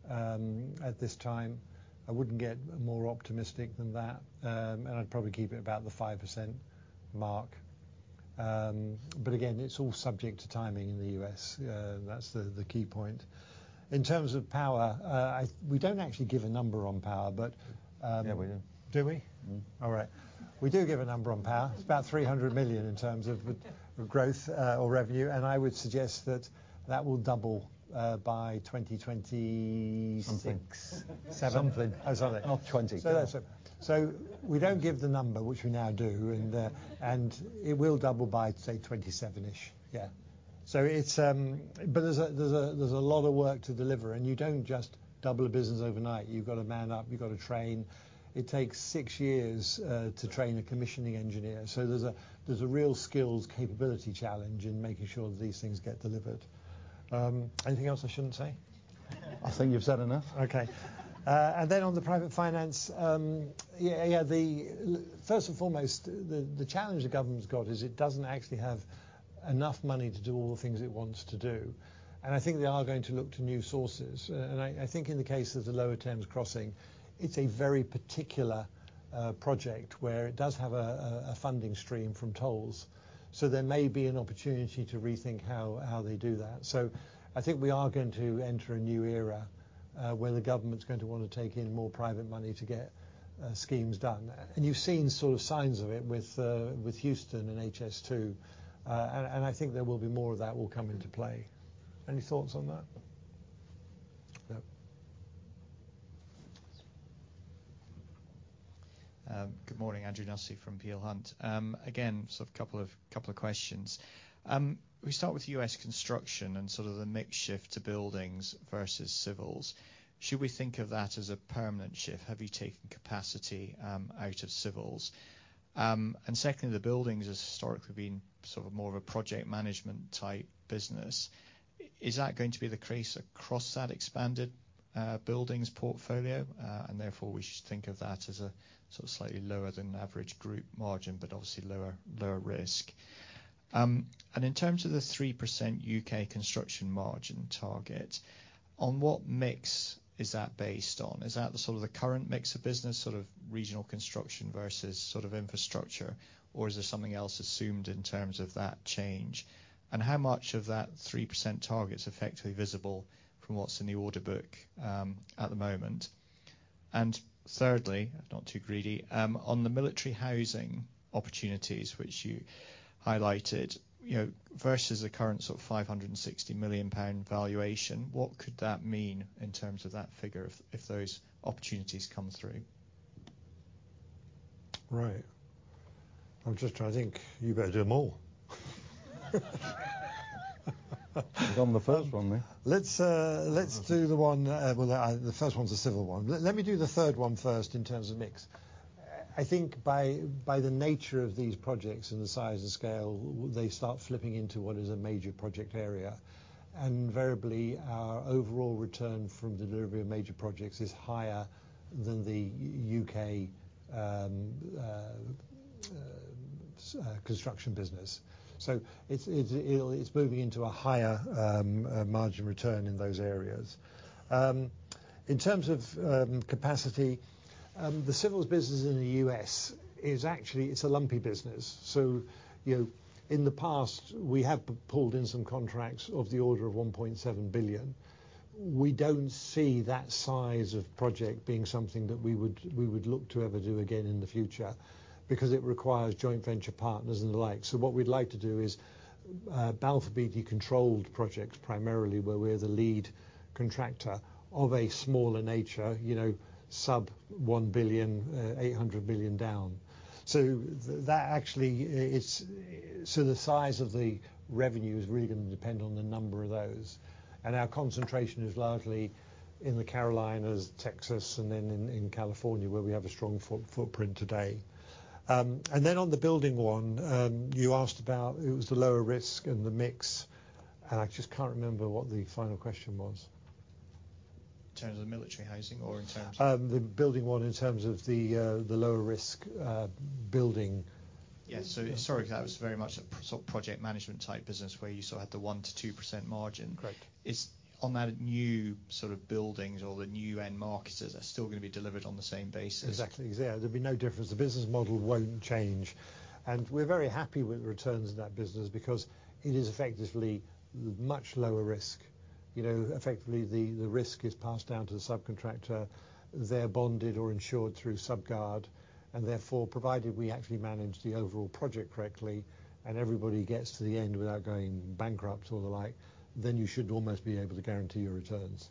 at this time. I wouldn't get more optimistic than that. And I'd probably keep it about the 5% mark. But again, it's all subject to timing in the U.S. That's the key point. In terms of power, we don't actually give a number on power, but, Yeah, we do. Do we? Mm-hmm. All right. We do give a number on power. Yeah. It's about 300 million in terms of the growth or revenue, and I would suggest that that will double by 2026. Something. Seven. Something. Or something. Not '20. So that's it. So we don't give the number, which we now do, and it will double by, say, 27-ish. Yeah. So it's. But there's a lot of work to deliver, and you don't just double a business overnight. You've got to man up. You've got to train. It takes six years to train a commissioning engineer, so there's a real skills capability challenge in making sure that these things get delivered. Anything else I shouldn't say? I think you've said enough. Okay. And then on the private finance, the first and foremost, the challenge the government's got is it doesn't actually have enough money to do all the things it wants to do, and I think they are going to look to new sources. And I think in the case of the Lower Thames Crossing, it's a very particular project where it does have a funding stream from tolls. So there may be an opportunity to rethink how they do that. So I think we are going to enter a new era, where the government's going to want to take in more private money to get schemes done. And you've seen sort of signs of it with Euston and HS2, and I think there will be more of that will come into play. Any thoughts on that? No. Good morning. Andrew Nussey from Peel Hunt. Again, sort of couple of questions. We start with U.S. construction and sort of the mix shift to buildings versus civils. Should we think of that as a permanent shift? Have you taken capacity out of civils? And secondly, the buildings has historically been sort of more of a project management type business. Is that going to be the case across that expanded buildings portfolio, and therefore we should think of that as a sort of slightly lower than average group margin, but obviously lower, lower risk? And in terms of the 3% U.K. construction margin target, on what mix is that based on? Is that the sort of the current mix of business, sort of regional construction versus sort of infrastructure, or is there something else assumed in terms of that change? And how much of that 3% target is effectively visible from what's in the order book, at the moment? And thirdly, if not too greedy, on the military housing opportunities which you highlighted, you know, versus the current sort of 560 million pound valuation, what could that mean in terms of that figure if, if those opportunities come through? Right. I'm just trying to think. You better do them all. Done the first one then. Let's, let's do the one, well, the first one's a civil one. Let me do the third one first in terms of mix. I think by the nature of these projects and the size and scale, they start flipping into what is a major project area. And invariably, our overall return from delivery of major projects is higher than the U.K. construction business. So it's moving into a higher margin return in those areas. In terms of capacity, the civils business in the U.S. is actually a lumpy business. So, you know, in the past, we have pulled in some contracts of the order of $1.7 billion. We don't see that size of project being something that we would, we would look to ever do again in the future, because it requires joint venture partners and the like. So what we'd like to do is, Balfour Beatty controlled projects, primarily where we're the lead contractor of a smaller nature, you know, sub $1 billion, $800 million down. So that actually, it's so the size of the revenue is really going to depend on the number of those. And our concentration is largely in the Carolinas, Texas, and then in, in California, where we have a strong footprint today. And then on the building one, you asked about, it was the lower risk and the mix, and I just can't remember what the final question was. In terms of military housing or in terms of- The building one, in terms of the lower risk building. Yeah. So sorry, that was very much a sort of project management type business, where you sort of had the 1%-2% margin. Correct. Is on that new sort of buildings or the new end markets are still gonna be delivered on the same basis? Exactly. Yeah, there'd be no difference. The business model won't change, and we're very happy with the returns of that business because it is effectively much lower risk. You know, effectively, the risk is passed down to the subcontractor. They're bonded or insured through Subguard, and therefore, provided we actually manage the overall project correctly, and everybody gets to the end without going bankrupt or the like, then you should almost be able to guarantee your returns.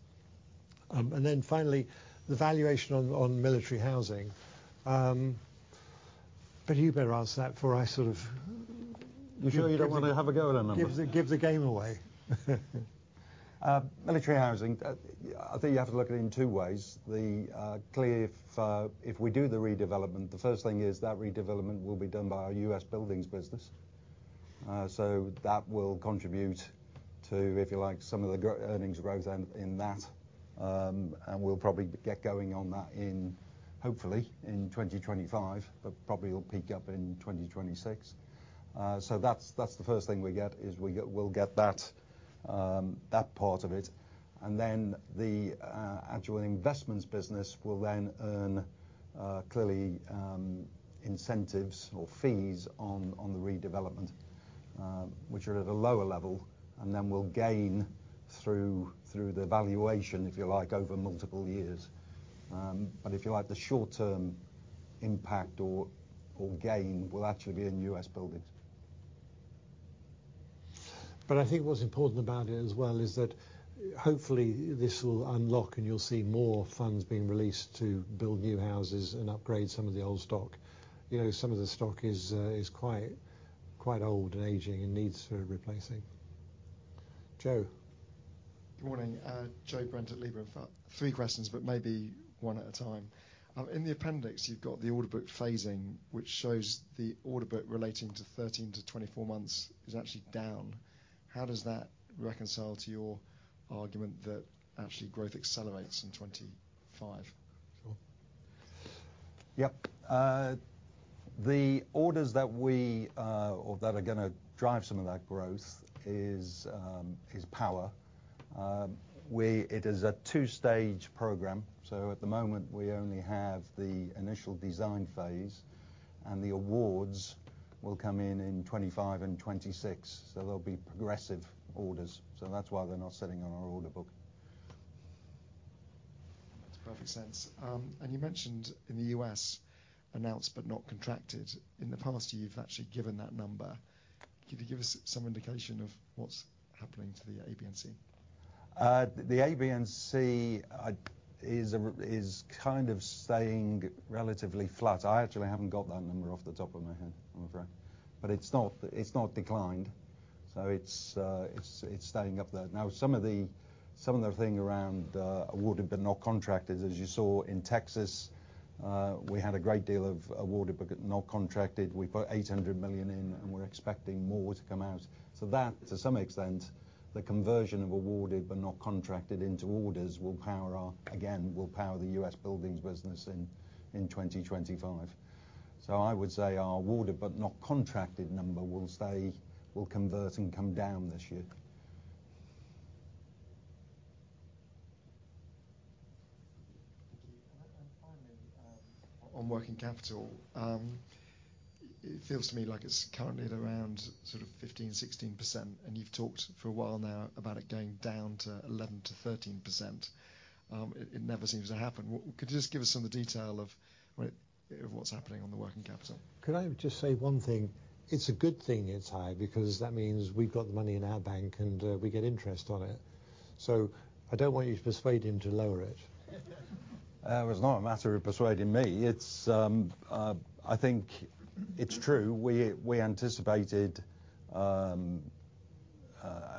And then finally, the valuation on, on military housing... But you better answer that before I sort of- You sure you don't want to have a go at that one? Gives the game away. Military housing, I think you have to look at it in two ways. Clearly, if, if we do the redevelopment, the first thing is that redevelopment will be done by our U.S. buildings business, so that will contribute to, if you like, some of the earnings growth then in that. And we'll probably get going on that in, hopefully, in 2025, but probably will peak up in 2026. So that's, that's the first thing we get, is we get, we'll get that, that part of it. And then the actual investments business will then earn, clearly, incentives or fees on, on the redevelopment, which are at a lower level, and then we'll gain through, through the valuation, if you like, over multiple years. But if you like, the short-term impact or gain will actually be in U.S. buildings. But I think what's important about it as well, is that hopefully, this will unlock, and you'll see more funds being released to build new houses and upgrade some of the old stock. You know, some of the stock is, is quite, quite old and aging and needs sort of replacing. Joe? Good morning, Joe Brent at Liberum. I've got three questions, but maybe one at a time. In the appendix, you've got the order book phasing, which shows the order book relating to 13-24 months is actually down. How does that reconcile to your argument that actually growth accelerates in 2025? Sure. Yep. The orders that we or that are gonna drive some of that growth is power. We it is a two-stage program, so at the moment, we only have the initial design phase, and the awards will come in, in 2025 and 2026. So there'll be progressive orders. So that's why they're not sitting on our order book. Makes perfect sense. And you mentioned in the U.S., awarded but not contracted. In the past year, you've actually given that number. Could you give us some indication of what's happening to the ABNC? The ABNC is kind of staying relatively flat. I actually haven't got that number off the top of my head, I'm afraid. But it's not declined, so it's staying up there. Now, some of the things around awarded but not contracted, as you saw in Texas, we had a great deal of awarded but not contracted. We put $800 million in, and we're expecting more to come out. So that, to some extent, the conversion of awarded but not contracted into orders will power our again, will power the U.S. buildings business in 2025. So I would say our awarded but not contracted number will stay, will convert and come down this year. Thank you. And finally, on working capital, it feels to me like it's currently at around sort of 15%, 16%, and you've talked for a while now about it going down to 11%-13%. It never seems to happen. Could you just give us some of the detail of what, of what's happening on the working capital? Could I just say one thing? It's a good thing it's high, because that means we've got the money in our bank, and we get interest on it. So I don't want you to persuade him to lower it. It's not a matter of persuading me. It's, I think it's true. We, we anticipated, a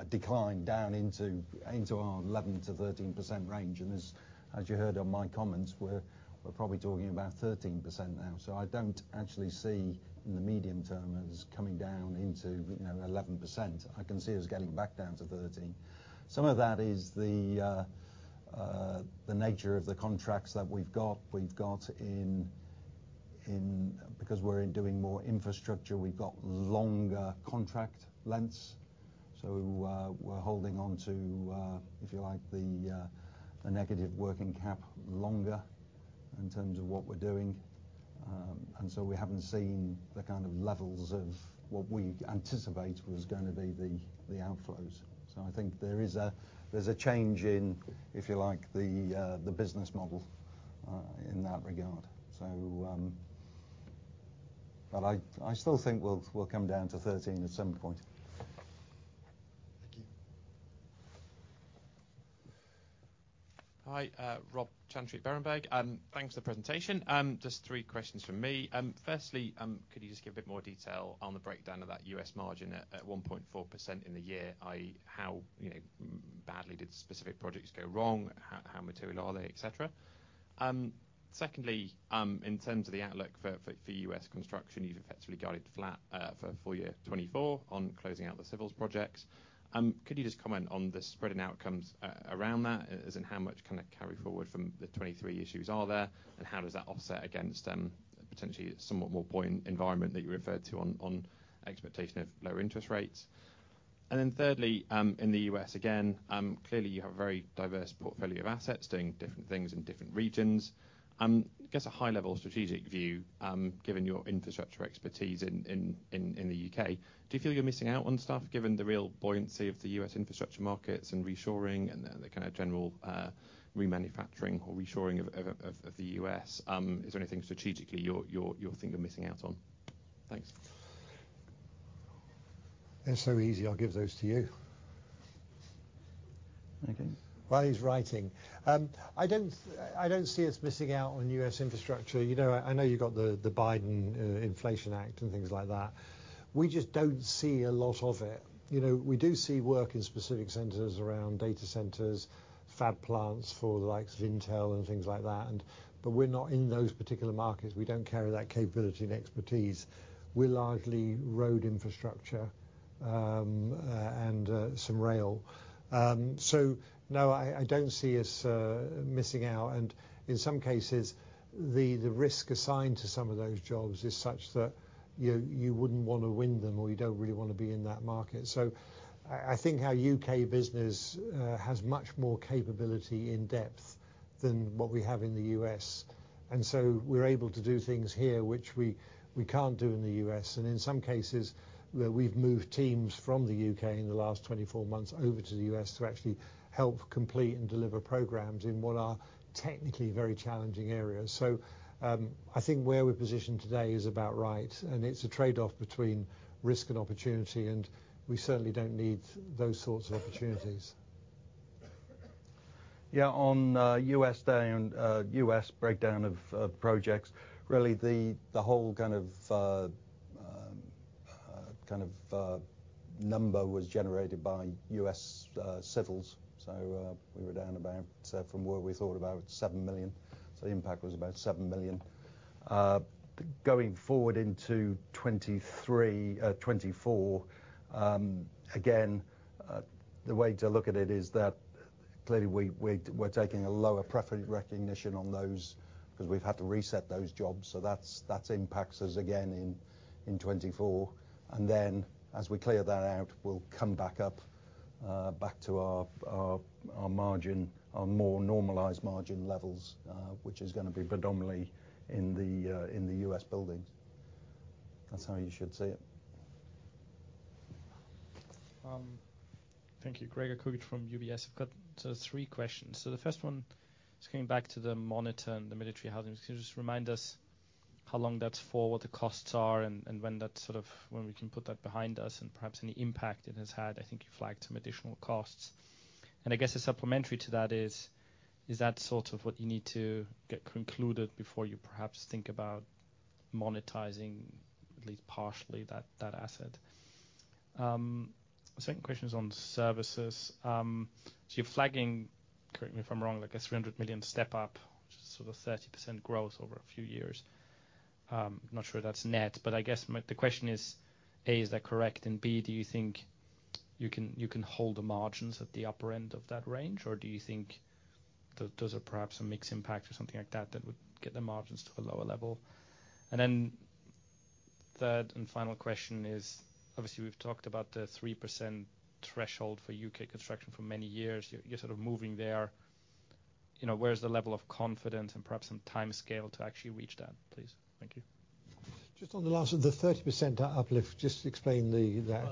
decline down into, into our 11%-13% range, and as, as you heard on my comments, we're, we're probably talking about 13% now. So I don't actually see, in the medium term, as coming down into, you know, 11%. I can see us getting back down to 13%. Some of that is the, the nature of the contracts that we've got. We've got in, in, because we're doing more infrastructure, we've got longer contract lengths, so, we're holding on to, if you like, the, the negative working cap longer in terms of what we're doing. And so we haven't seen the kind of levels of what we anticipate was gonna be the, the outflows. So I think there is a change in, if you like, the business model, in that regard. So, but I still think we'll come down to 13% at some point. Thank you. Hi, Rob Chantry, Berenberg. Thanks for the presentation. Just three questions from me. Firstly, could you just give a bit more detail on the breakdown of that U.S. margin at 1.4% in the year, i.e., how, you know, badly did specific projects go wrong? How material are they, et cetera? Secondly, in terms of the outlook for U.S. construction, you've effectively guided flat for full year 2024 on closing out the civils projects. Could you just comment on the spread and outcomes around that? As in how much kind of carry forward from the 2023 issues are there, and how does that offset against potentially somewhat more buoyant environment that you referred to on expectation of lower interest rates? And then thirdly, in the U.S. Again, clearly, you have a very diverse portfolio of assets doing different things in different regions. I guess, a high-level strategic view, given your infrastructure expertise in the U.K., do you feel you're missing out on stuff, given the real buoyancy of the U.S. infrastructure markets and reshoring and the kind of general, remanufacturing or reshoring of the U.S.? Is there anything strategically you're thinking you're missing out on? Thanks. They're so easy, I'll give those to you. While he's writing, I don't see us missing out on U.S. infrastructure. You know, I know you've got the Biden Inflation Act and things like that. We just don't see a lot of it. You know, we do see work in specific centers around data centers, fab plants for the likes of Intel and things like that, but we're not in those particular markets. We don't carry that capability and expertise. We're largely road infrastructure and some rail. So, no, I don't see us missing out, and in some cases, the risk assigned to some of those jobs is such that you wouldn't wanna win them, or you don't really wanna be in that market. I think our U.K. business has much more capability in depth than what we have in the U.S. And so we're able to do things here which we can't do in the U.S. And in some cases, where we've moved teams from the U.K. in the last 24 months over to the U.S. to actually help complete and deliver programs in what are technically very challenging areas. I think where we're positioned today is about right, and it's a trade-off between risk and opportunity, and we certainly don't need those sorts of opportunities. Yeah, on U.S. down, U.S. breakdown of projects, really the whole kind of number was generated by U.S. civils. So, we were down about, so from what we thought, about $7 million, so the impact was about $7 million. Going forward into 2023, 2024, again, the way to look at it is that clearly we're taking a lower profit recognition on those, 'cause we've had to reset those jobs, so that impacts us again in 2024. And then, as we clear that out, we'll come back up, back to our margin, our more normalized margin levels, which is gonna be predominantly in the U.S. buildings. That's how you should see it. Thank you. Gregor Kuglitsch from UBS. I've got sort of three questions. So the first one is coming back to the monitor and the military housing. Can you just remind us how long that's for, what the costs are, and when that sort of, when we can put that behind us and perhaps any impact it has had? I think you flagged some additional costs. I guess, a supplementary to that is that sort of what you need to get concluded before you perhaps think about monetizing, at least partially, that asset? The second question is on services. So you're flagging, correct me if I'm wrong, like a $300 million step-up, which is sort of 30% growth over a few years. Not sure that's net, but I guess my question is, A, is that correct? And, B, do you think you can, you can hold the margins at the upper end of that range, or do you think those are perhaps a mixed impact or something like that, that would get the margins to a lower level? And then, third and final question is, obviously, we've talked about the 3% threshold for U.K. construction for many years. You're, you're sort of moving there. You know, where's the level of confidence and perhaps some timescale to actually reach that, please? Thank you. Just on the last of the 30% uplift, just explain that. Well,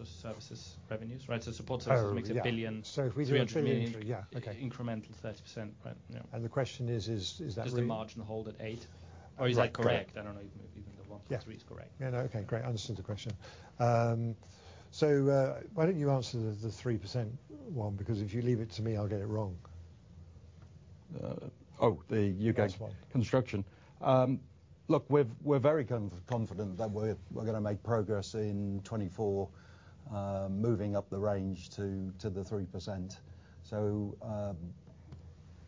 on services revenues, right? So support services- Oh, yeah. 1 billion. If we do a trillion- 300 million. Yeah, okay. Incremental 30%, right, yeah. The question is that- Does the margin hold at eight? Right, correct. Or is that correct? I don't know even if the one- Yeah. Three is correct. Yeah, no. Okay, great. I understand the question. So, why don't you answer the 3% one? Because if you leave it to me, I'll get it wrong. Oh, the U.K.- This one... construction. Look, we're very confident that we're gonna make progress in 2024, moving up the range to the 3%. So,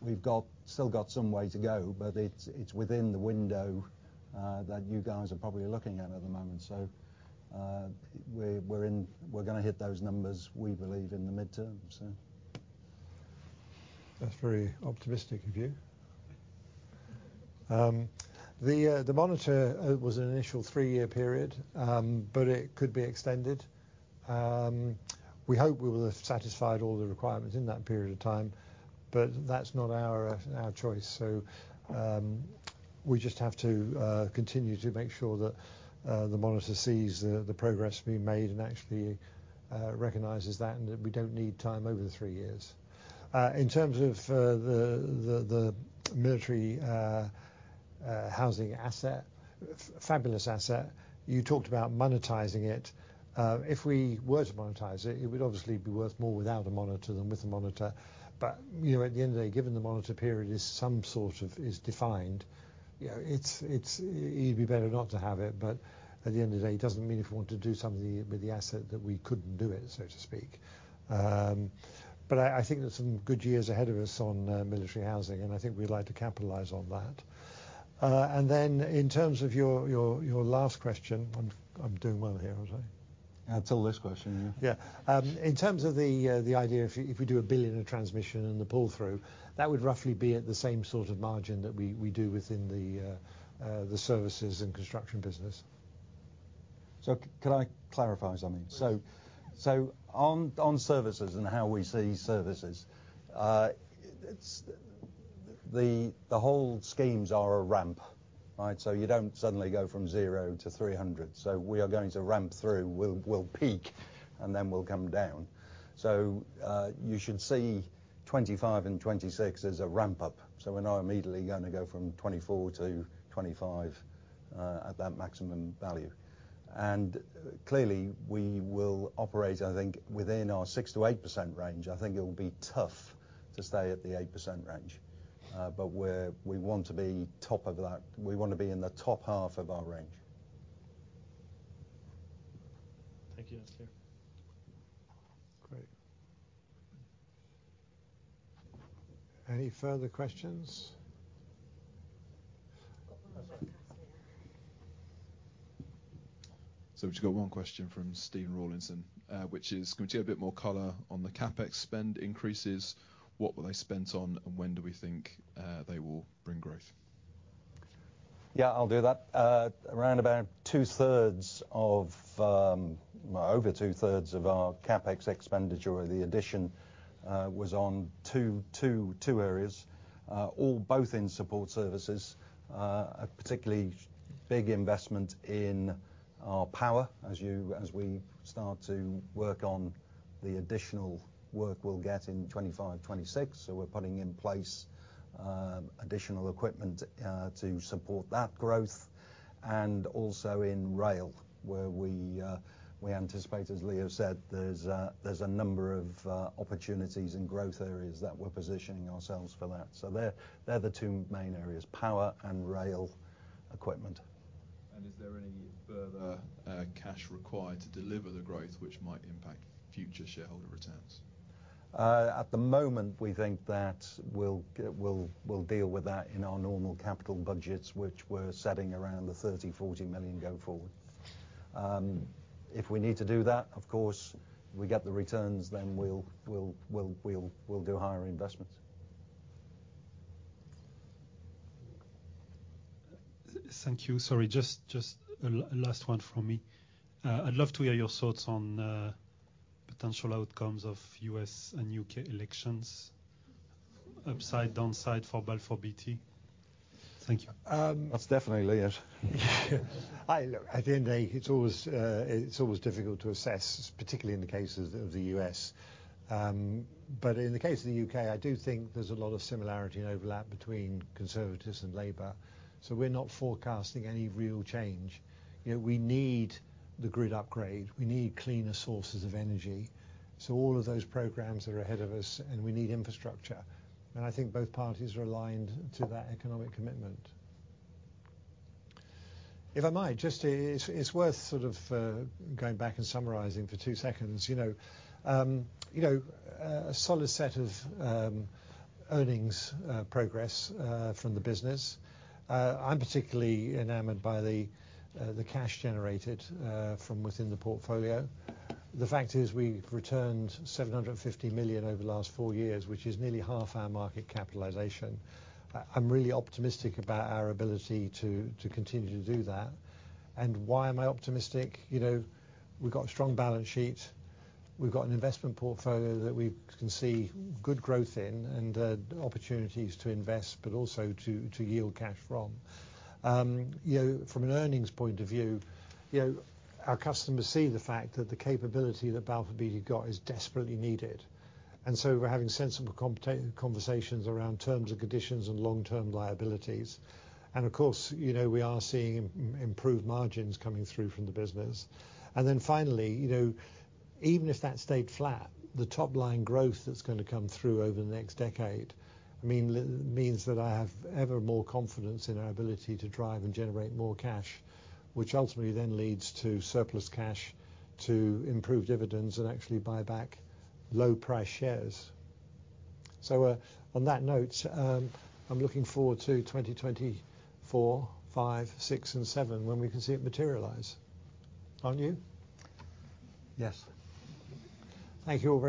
we've still got some way to go, but it's within the window that you guys are probably looking at the moment. So, we're gonna hit those numbers, we believe, in the midterm, so. That's very optimistic of you. The monitor was an initial three-year period, but it could be extended. We hope we will have satisfied all the requirements in that period of time, but that's not our choice. So, we just have to continue to make sure that the monitor sees the progress being made and actually recognizes that, and that we don't need time over the three years. In terms of the military housing asset, fabulous asset, you talked about monetizing it. If we were to monetize it, it would obviously be worth more without a monitor than with a monitor. But, you know, at the end of the day, given the monitor period is some sort of defined, you know, it's, it'd be better not to have it. But at the end of the day, it doesn't mean if we want to do something with the asset that we couldn't do it, so to speak. But I think there's some good years ahead of us on military housing, and I think we'd like to capitalize on that. And then in terms of your last question, I'm doing well here, aren't I? Till this question, yeah. Yeah. In terms of the idea, if we do 1 billion in transmission and the pull-through, that would roughly be at the same sort of margin that we do within the services and construction business. So can I clarify something? Please. So on services and how we see services, it's the whole schemes are a ramp, right? So you don't suddenly go from zero to 300. So we are going to ramp through. We'll peak, and then we'll come down. So you should see 2025 and 2026 as a ramp up. So we're not immediately gonna go from 2024 to 2025.... at that maximum value. And clearly, we will operate, I think, within our 6%-8% range. I think it will be tough to stay at the 8% range, but we want to be top of that. We want to be in the top half of our range. Thank you. That's clear. Great. Any further questions? We've just got one question from Steve Rawlinson, which is, "Can we get a bit more color on the CapEx spend increases? What were they spent on, and when do we think they will bring growth? Yeah, I'll do that. Around about two-thirds of, well, over two-thirds of our CapEx expenditure, the addition, was on two areas, all both in support services, a particularly big investment in our power as we start to work on the additional work we'll get in 2025, 2026. So we're putting in place, additional equipment, to support that growth, and also in rail, where we anticipate, as Leo said, there's a number of opportunities and growth areas that we're positioning ourselves for that. So they're the two main areas, power and rail equipment. Is there any further cash required to deliver the growth, which might impact future shareholder returns? At the moment, we think that we'll deal with that in our normal capital budgets, which we're setting around 30 million-40 million going forward. If we need to do that, of course, we get the returns, then we'll do higher investments. Thank you. Sorry, just a last one from me. I'd love to hear your thoughts on potential outcomes of U.S. and U.K. elections, upside, downside for Balfour Beatty? Thank you. Um- That's definitely Leo. Look, at the end of day, it's always, it's always difficult to assess, particularly in the cases of the U.S. But in the case of the U.K., I do think there's a lot of similarity and overlap between Conservatives and Labour, so we're not forecasting any real change. You know, we need the grid upgrade. We need cleaner sources of energy. So all of those programs are ahead of us, and we need infrastructure, and I think both parties are aligned to that economic commitment. If I might, just it's, it's worth sort of going back and summarizing for two seconds. You know, you know, a solid set of earnings, progress from the business. I'm particularly enamored by the, the cash generated from within the portfolio. The fact is, we've returned 750 million over the last four years, which is nearly half our market capitalization. I, I'm really optimistic about our ability to continue to do that. And why am I optimistic? You know, we've got a strong balance sheet. We've got an investment portfolio that we can see good growth in and opportunities to invest, but also to yield cash from. You know, from an earnings point of view, our customers see the fact that the capability that Balfour Beatty got is desperately needed. And so we're having sensible conversations around terms and conditions and long-term liabilities. And of course, you know, we are seeing improved margins coming through from the business. And then finally, you know, even if that stayed flat, the top line growth that's gonna come through over the next decade, I mean, means that I have ever more confidence in our ability to drive and generate more cash, which ultimately then leads to surplus cash, to improve dividends, and actually buy back low price shares. So, on that note, I'm looking forward to 2024, 2025, 2026, and 2027, when we can see it materialize, aren't you? Yes. Thank you all very much.